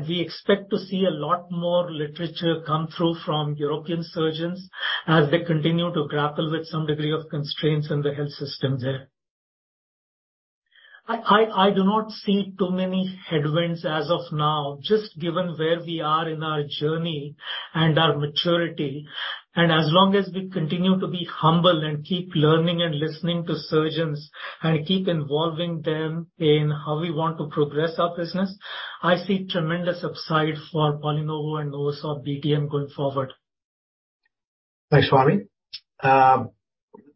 We expect to see a lot more literature come through from European surgeons as they continue to grapple with some degree of constraints in the health system there. I do not see too many headwinds as of now, just given where we are in our journey and our maturity, and as long as we continue to be humble and keep learning and listening to surgeons, and keep involving them in how we want to progress our business, I see tremendous upside for PolyNovo and NovoSorb BTM going forward. Thanks, Swami.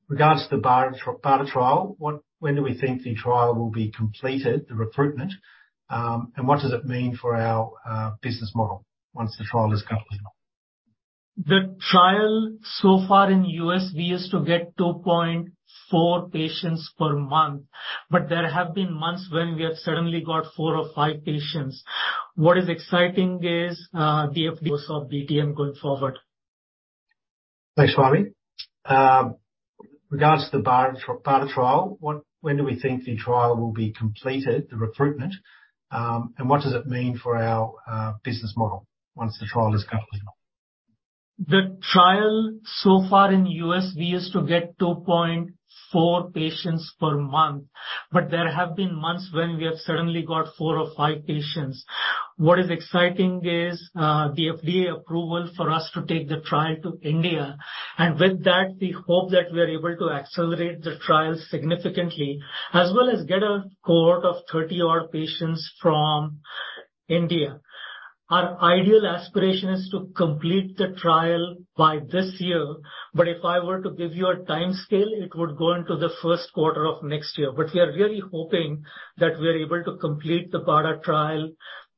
Regards to the BARDA, BARDA trial, when do we think the trial will be completed, the recruitment? What does it mean for our business model once the trial is completed? The trial so far in U.S., we used to get 2.4 patients per month, but there have been months when we have suddenly got 4 or 5 patients. What is exciting is... NovoSorb BTM going forward. Thanks, Swami. Regards to the BARDA, BARDA trial, when do we think the trial will be completed, the recruitment? What does it mean for our business model once the trial is completed? The trial so far in U.S., we used to get 2.4 patients per month. There have been months when we have suddenly got 4 or 5 patients. What is exciting is the FDA approval for us to take the trial to India. With that, we hope that we are able to accelerate the trial significantly, as well as get a cohort of 30 odd patients from India. Our ideal aspiration is to complete the trial by this year. If I were to give you a timescale, it would go into the Q1 of next year. We are really hoping that we are able to complete the BARDA trial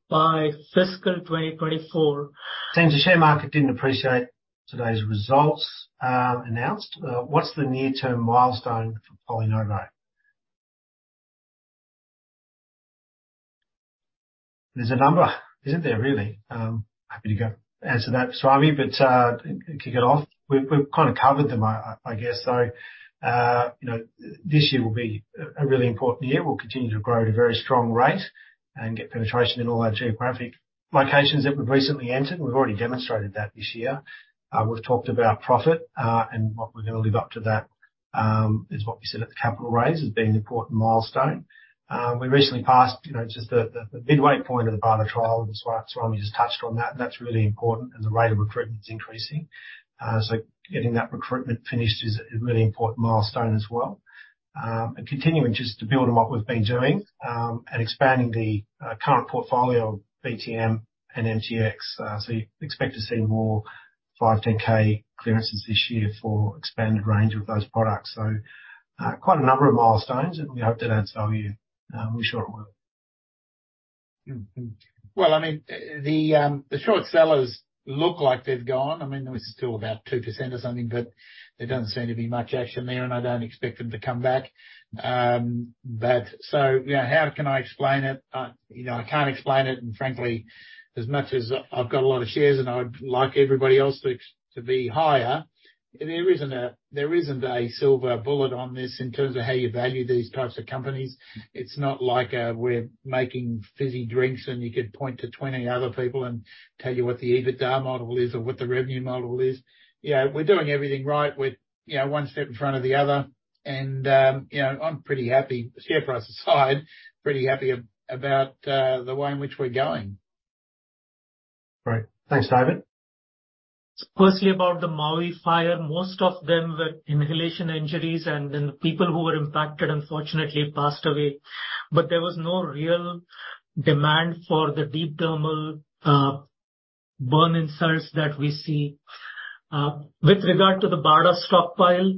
by fiscal 2024. The share market didn't appreciate today's results, announced. What's the near-term milestone for PolyNovo? There's a number, isn't there, really? Happy to go answer that, Swami, but kick it off. We've kind of covered them, I guess so. You know, this year will be a really important year. We'll continue to grow at a very strong rate and get penetration in all our geographic locations that we've recently entered. We've already demonstrated that this year. We've talked about profit, and what we're gonna live up to that, is what we said at the capital raise as being an important milestone. We recently passed, just the midway point of the BARDA trial, and that's why Swami just touched on that, and that's really important as the rate of recruitment is increasing. Getting that recruitment finished is a really important milestone as well. Continuing just to build on what we've been doing, and expanding the current portfolio of BTM and MTX. Expect to see more 510(k) clearances this year for expanded range of those products. Quite a number of milestones, and we hope that adds value, and I'm sure it will. Mm-hmm. Well, I mean, the, the short sellers look like they've gone. I mean, there was still about 2% or something, but there doesn't seem to be much action there, and I don't expect them to come back. How can I explain it? I can't explain it, and frankly, as much as I've got a lot of shares and I'd like everybody else to, to be higher, there isn't a, there isn't a silver bullet on this in terms of how you value these types of companies. It's not like, we're making fizzy drinks, and you could point to 20 other people and tell you what the EBITDA model is or what the revenue model is. You know, we're doing everything right with, 1 step in front of the other, and, I'm pretty happy. Share price aside, pretty happy about the way in which we're going. Great. Thanks, David. Firstly, about the Maui Fire, most of them were inhalation injuries, and then the people who were impacted unfortunately passed away. There was no real demand for the deep dermal burn insults that we see. With regard to the BARDA stockpile,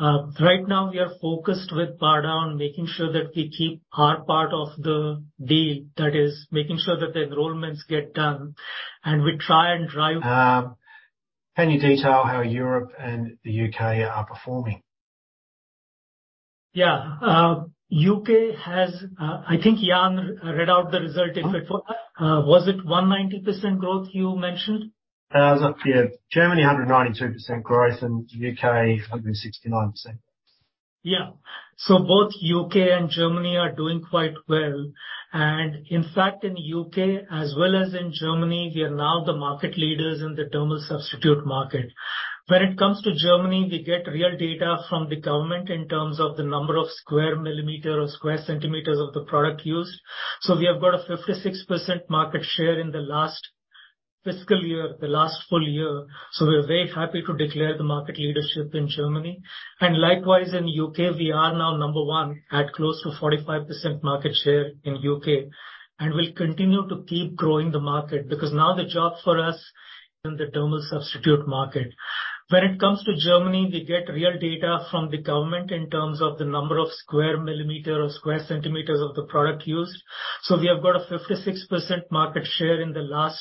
right now we are focused with BARDA on making sure that we keep our part of the deal. That is, making sure that the enrollments get done, and we try and drive- Can you detail how Europe and the U.K. are performing? Yeah. UK has, I think Jan read out the result. If it, was it 190% growth you mentioned? Yeah, Germany, 192% growth, and UK, 169%. Yeah. Both UK and Germany are doing quite well, and in fact, in the U.K. as well as in Germany, we are now the market leaders in the dermal substitute market. When it comes to Germany, we get real data from the government in terms of the number of square millimeter or square centimeters of the product used. We have got a 56% market share in the last fiscal year, the last full year. We're very happy to declare the market leadership in Germany, and likewise, in the U.K., we are now number 1 at close to 45% market share in U.K. We'll continue to keep growing the market, because now the job for us in the dermal substitute market. When it comes to Germany, we get real data from the government in terms of the number of square millimeter or square centimeters of the product used. We have got a 56% market share in the last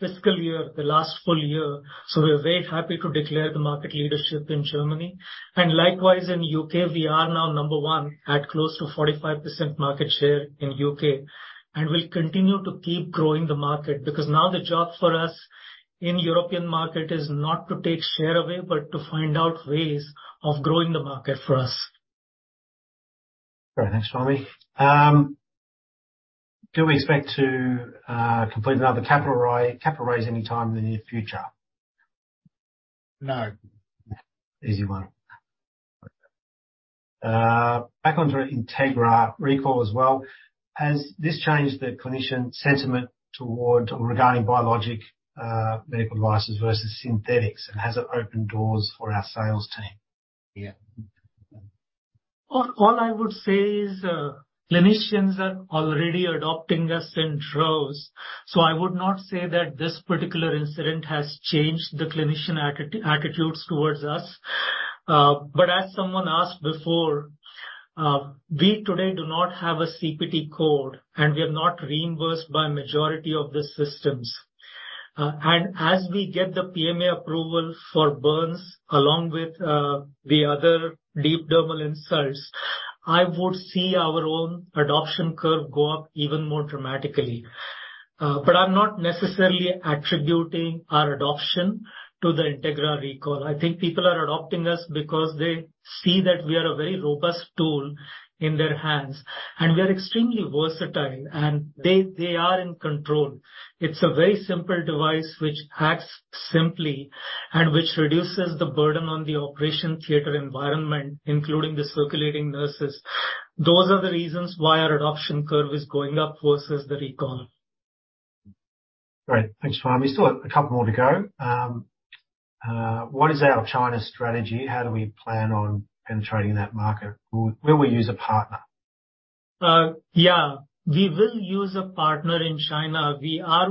fiscal year, the last full year. We're very happy to declare the market leadership in Germany, and likewise, in the U.K., we are now number one at close to 45% market share in U.K. We'll continue to keep growing the market, because now the job for us in European market is not to take share away, but to find out ways of growing the market for us. Great. Thanks, Swami. Do we expect to complete another capital raise anytime in the near future? No. Easy one. back onto Integra recall as well. Has this changed the clinician sentiment toward, or regarding biologic, medical devices versus synthetics, and has it opened doors for our sales team? Yeah. All, all I would say is, clinicians are already adopting us in droves, so I would not say that this particular incident has changed the clinician attitudes towards us. As someone asked before, we today do not have a CPT code, and we are not reimbursed by majority of the systems. As we get the Premarket Approval for burns, along with the other deep dermal insults, I would see our own adoption curve go up even more dramatically. I'm not necessarily attributing our adoption to the Integra recall. I think people are adopting us because they see that we are a very robust tool in their hands, and we are extremely versatile, and they are in control. It's a very simple device which acts simply and which reduces the burden on the operation theater environment, including the circulating nurses. Those are the reasons why our adoption curve is going up versus the recall. Great. Thanks, Swami. We've still a couple more to go. What is our China strategy? How do we plan on penetrating that market? Will we use a partner? Yeah, we will use a partner in China. We are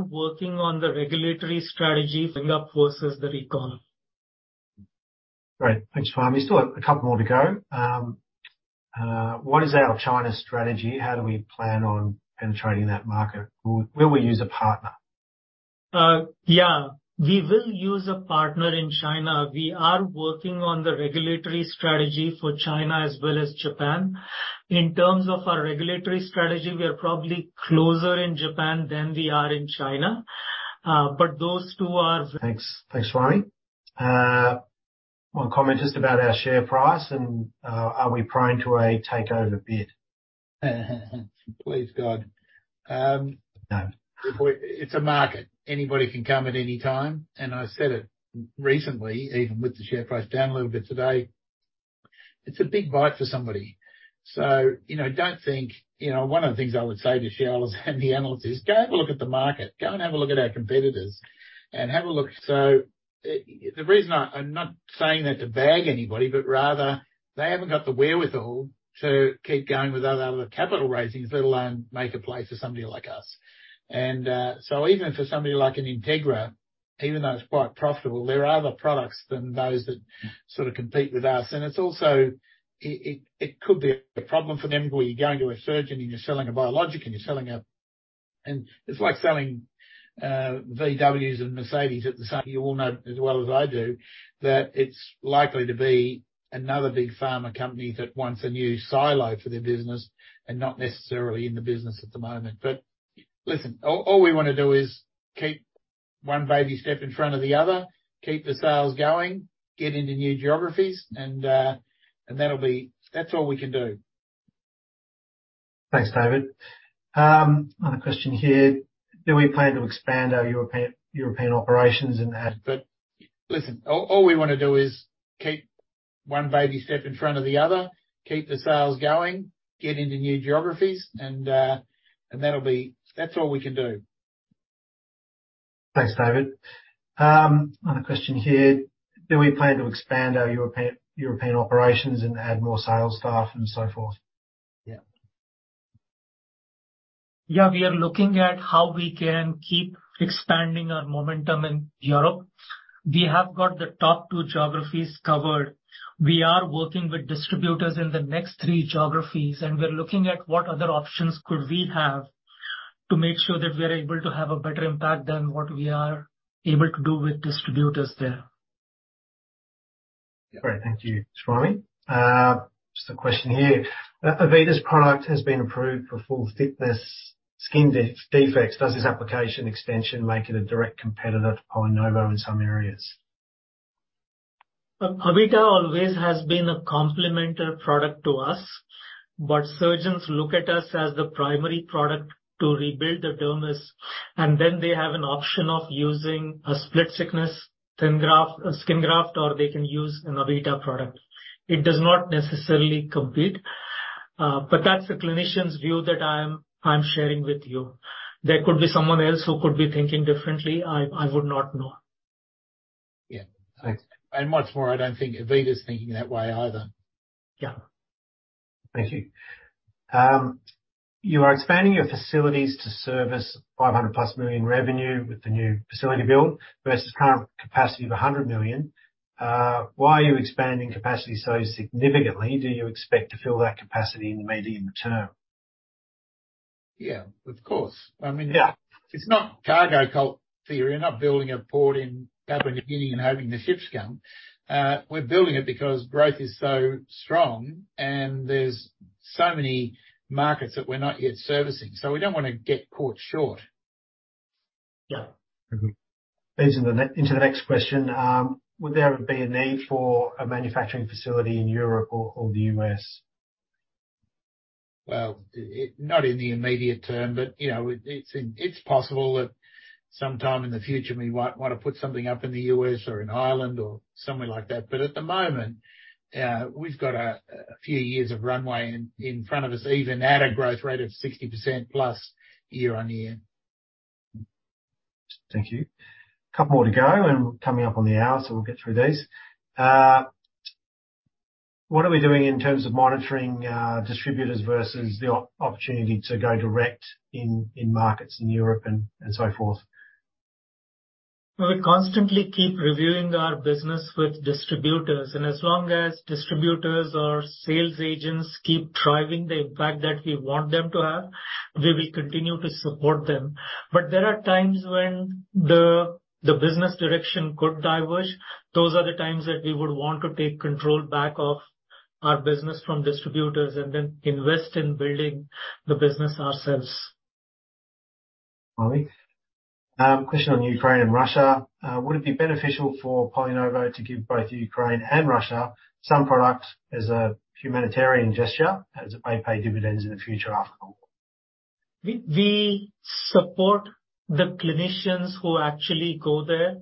working on the regulatory strategy versus the recall. Great. Thanks, Swami. We've still a couple more to go. What is our China strategy? How do we plan on penetrating that market? Will we use a partner? Yeah, we will use a partner in China. We are working on the regulatory strategy for China as well as Japan. In terms of our regulatory strategy, we are probably closer in Japan than we are in China, but those two are- Thanks. Thanks, Swami. One comment just about our share price, are we prone to a takeover bid? Please, God. No. It's a market. Anybody can come at any time, I said it recently, even with the share price down a little bit today, it's a big bite for somebody. Don't think one of the things I would say to shareholders and the analysts is, "Go have a look at the market. Go and have a look at our competitors, and have a look." The reason I-I'm not saying that to bag anybody, but rather they haven't got the wherewithal to keep going with other capital raisings, let alone make a play for somebody like us. Even for somebody like an Integra, even though it's quite profitable, there are other products than those that sort of compete with us. It's also... It, it, it could be a problem for them, where you're going to a surgeon and you're selling a biologic, and you're selling a. It's like selling VWs and Mercedes-Benz at the same. You all know as well as I do that it's likely to be another big pharma company that wants a new silo for their business, and not necessarily in the business at the moment. Listen, all, all we want to do is keep one baby step in front of the other, keep the sales going, get into new geographies, and that'll be. That's all we can do. Thanks, David. Another question here: Do we plan to expand our European, European operations in that? listen, all we want to do is keep-... one baby step in front of the other, keep the sales going, get into new geographies, and That's all we can do. Thanks, David. Another question here: Do we plan to expand our European, European operations and add more sales staff and so forth? Yeah. Yeah, we are looking at how we can keep expanding our momentum in Europe. We have got the top 2 geographies covered. We are working with distributors in the next 3 geographies. We're looking at what other options could we have to make sure that we are able to have a better impact than what we are able to do with distributors there. Great. Thank you, Swami. Just a question here. Avita's product has been approved for full-thickness skin defects. Does this application extension make it a direct competitor to PolyNovo in some areas? Avita always has been a complementary product to us, but surgeons look at us as the primary product to rebuild the dermis, and then they have an option of using a split-thickness skin graft, or they can use an Avita product. It does not necessarily compete, but that's the clinician's view that I'm sharing with you. There could be someone else who could be thinking differently. I would not know. Yeah Thanks. What's more, I don't think Avita is thinking that way either. Yeah. Thank you. You are expanding your facilities to service 500+ million revenue with the new facility build versus current capacity of 100 million. Why are you expanding capacity so significantly? Do you expect to fill that capacity in the medium term? Yeah, of course. I mean- Yeah. It's not cargo cult theory. We're not building a port in Papua New Guinea and hoping the ships come. We're building it because growth is so strong and there's so many markets that we're not yet servicing, so we don't wanna get caught short. Yeah. Leads into the next question. Would there be a need for a manufacturing facility in Europe or, or the U.S.? Well, not in the immediate term, but, it's, it's possible that sometime in the future we might want to put something up in the US or in Ireland or somewhere like that. At the moment, we've got a few years of runway in front of us, even at a growth rate of 60% plus year-over-year. Thank you. A couple more to go, and we're coming up on the hour, so we'll get through these. What are we doing in terms of monitoring distributors versus the opportunity to go direct in, in markets in Europe and, and so forth? We constantly keep reviewing our business with distributors, and as long as distributors or sales agents keep driving the impact that we want them to have, we will continue to support them. There are times when the business direction could diverge. Those are the times that we would want to take control back of our business from distributors and then invest in building the business ourselves. Swami, question on Ukraine and Russia, would it be beneficial for PolyNovo to give both Ukraine and Russia some product as a humanitarian gesture, as it may pay dividends in the future after all? We, we support the clinicians who actually go there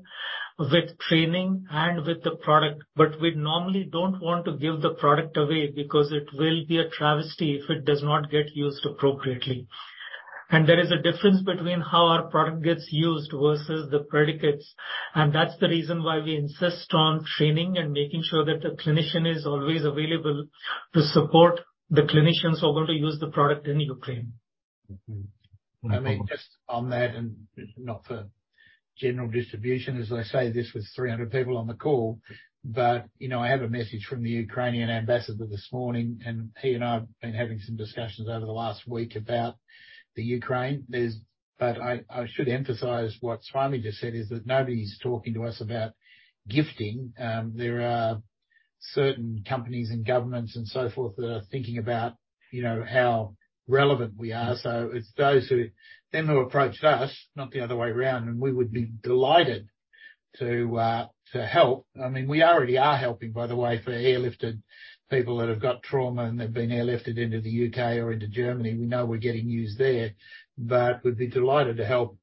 with training and with the product, but we normally don't want to give the product away because it will be a travesty if it does not get used appropriately. There is a difference between how our product gets used versus the predicates, and that's the reason why we insist on training and making sure that the clinician is always available to support the clinicians who are going to use the product in Ukraine. I mean, just on that, not for general distribution, as I say, this was 300 people on the call, I have a message from the Ukrainian ambassador this morning, and he and I have been having some discussions over the last week about the Ukraine. I, I should emphasize what Swami just said, is that nobody's talking to us about gifting. There are certain companies and governments and so forth that are thinking about, how relevant we are. It's those who... Them who approached us, not the other way around, and we would be delighted to help. I mean, we already are helping, by the way, for airlifted people that have got trauma and they've been airlifted into the U.K. or into Germany. We know we're getting used there, but we'd be delighted to help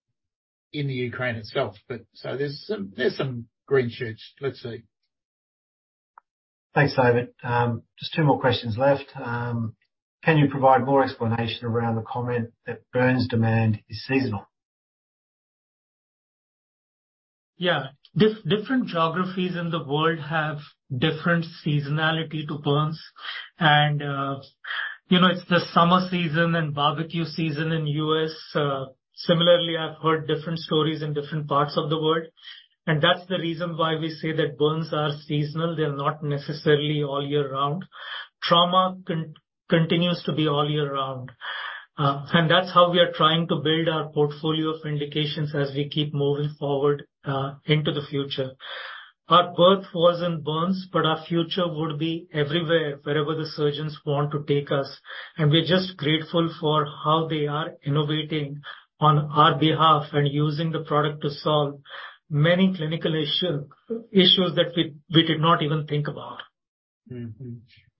in the Ukraine itself. There's some, there's some green shoots. Let's see. Thanks, David. Just two more questions left. Can you provide more explanation around the comment that burns demand is seasonal? Yeah. Different geographies in the world have different seasonality to burns, and, it's the summer season and barbecue season in U.S. Similarly, I've heard different stories in different parts of the world, and that's the reason why we say that burns are seasonal. They're not necessarily all year round. Trauma continues to be all year round. And that's how we are trying to build our portfolio of indications as we keep moving forward, into the future. Our birth was in burns, but our future would be everywhere, wherever the surgeons want to take us. We're just grateful for how they are innovating on our behalf and using the product to solve many clinical issue, issues that we, we did not even think about. Mm-hmm.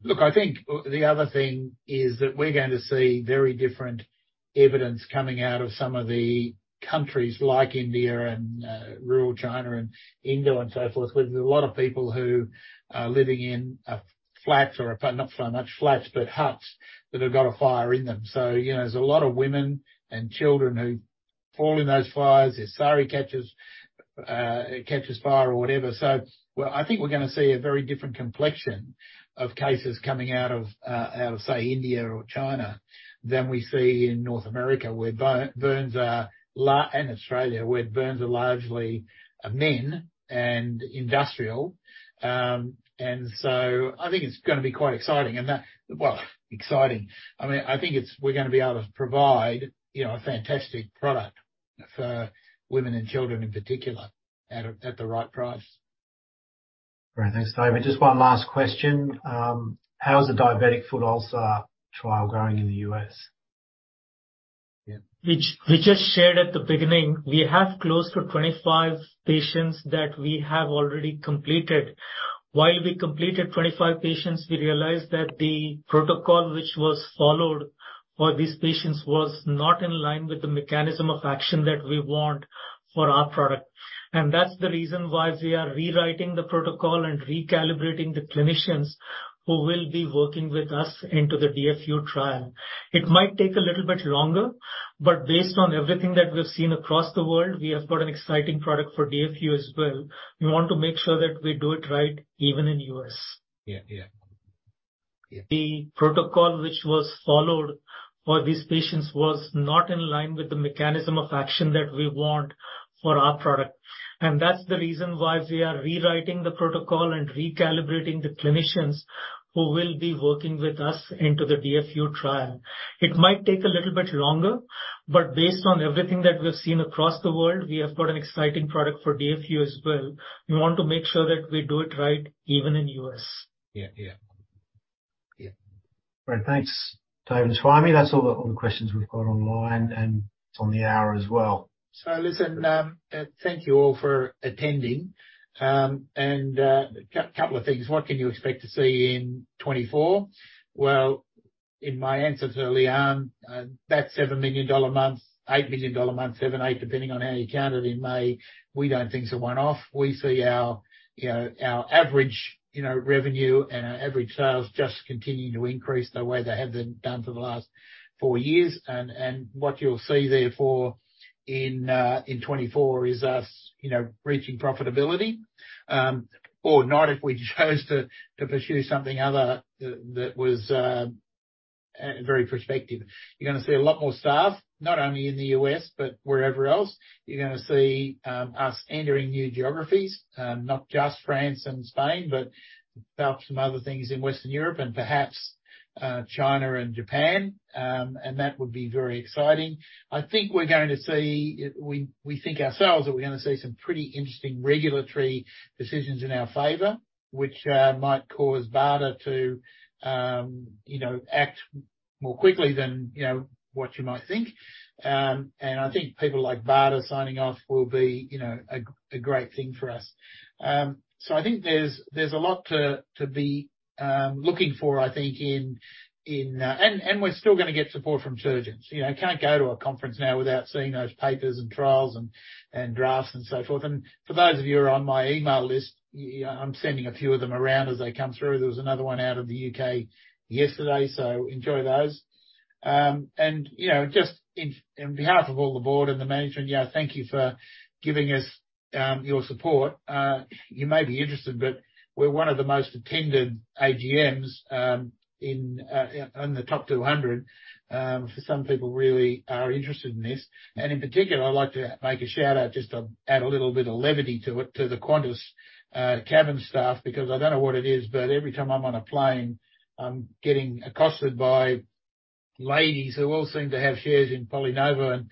Look,I think the other thing is that we're going to see very different evidence coming out of some of the countries like India and rural China and India and so forth, where there's a lot of people who are living in flats or not so much flats, but huts that have got a fire in them. You know, there's a lot of women and children who fall in those fires. Their sari catches catches fire or whatever. Well, I think we're gonna see a very different complexion of cases coming out of out of, say, India or China than we see in North America, where burns are. And Australia, where burns are largely men and industrial. I think it's gonna be quite exciting. Well, exciting. I mean, I think we're gonna be able to provide, a fantastic product for women and children in particular, at, at the right price. Great. Thanks, David. Just one last question. How's the diabetic foot ulcer trial going in the U.S.? Yeah. Which we just shared at the beginning, we have close to 25 patients that we have already completed. While we completed 25 patients, we realized that the protocol which was followed for these patients was not in line with the mechanism of action that we want for our product. That's the reason why we are rewriting the protocol and recalibrating the clinicians who will be working with us into the DFU trial. It might take a little bit longer, but based on everything that we've seen across the world, we have got an exciting product for DFU as well. We want to make sure that we do it right, even in U.S. Yeah. Yeah. The protocol which was followed for these patients, was not in line with the mechanism of action that we want for our product. That's the reason why we are rewriting the protocol and recalibrating the clinicians who will be working with us into the DFU trial. It might take a little bit longer. Based on everything that we've seen across the world, we have got an exciting product for DFU as well. We want to make sure that we do it right even in U.S. Yeah, yeah. Great. Thanks, David, Swami. That's all the, all the questions we've got online. It's on the hour as well. Listen, thank you all for attending. A couple of things. What can you expect to see in 2024? In my answers early on, that's $7 million month, $8 million month, 7, 8, depending on how you count it in May. We don't think it's a one-off. We see our, our average, revenue and our average sales just continuing to increase the way they have been done for the last four years. What you'll see therefore, in 2024 is us, reaching profitability, or not, if we chose to, to pursue something other that, that was very prospective. You're gonna see a lot more staff, not only in the U.S., but wherever else. You're gonna see us entering new geographies, not just France and Spain, but about some other things in Western Europe and perhaps China and Japan. That would be very exciting. I think we're going to see. We, we think ourselves that we're gonna see some pretty interesting regulatory decisions in our favor, which might cause BARDA to, yact more quickly than, what you might think. I think people like BARDA signing off will be, a great thing for us. So I think there's, there's a lot to, to be looking for, I think in. We're still gonna get support from surgeons. You can't go to a conference now without seeing those papers and trials and drafts and so forth. For those of you who are on my email list, you, I'm sending a few of them around as they come through. There was another one out of the U.K. yesterday, so enjoy those. Just in, in behalf of all the board and the management, yeah, thank you for giving us your support. You may be interested, but we're one of the most attended AGMs, in, in the top 200. Some people really are interested in this. In particular, I'd like to make a shout-out, just to add a little bit of levity to it, to the Qantas cabin staff, because I don't know what it is, but every time I'm on a plane, I'm getting accosted by ladies who all seem to have shares in PolyNovo and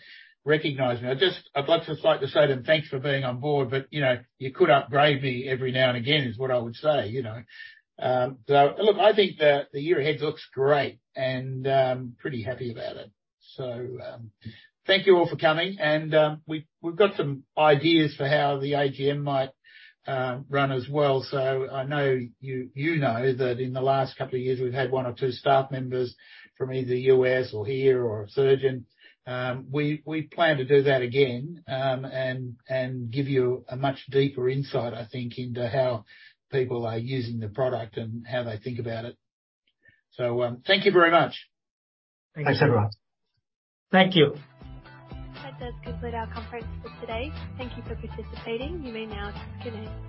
recognize me. I'd like to, like to say to them, "Thanks for being on board, but, you could upgrade me every now and again," is what I would say? Look, I think the, the year ahead looks great, and pretty happy about it. Thank you all for coming, and we've, we've got some ideas for how the AGM might run as well. I know you, that in the last couple of years we've had one or two staff members from either US or here or a surgeon. We, we plan to do that again, and give you a much deeper insight, I think, into how people are using the product and how they think about it. Thank you very much. Thanks, everyone. Thank you. That does conclude our conference for today. Thank you for participating. You may now disconnect.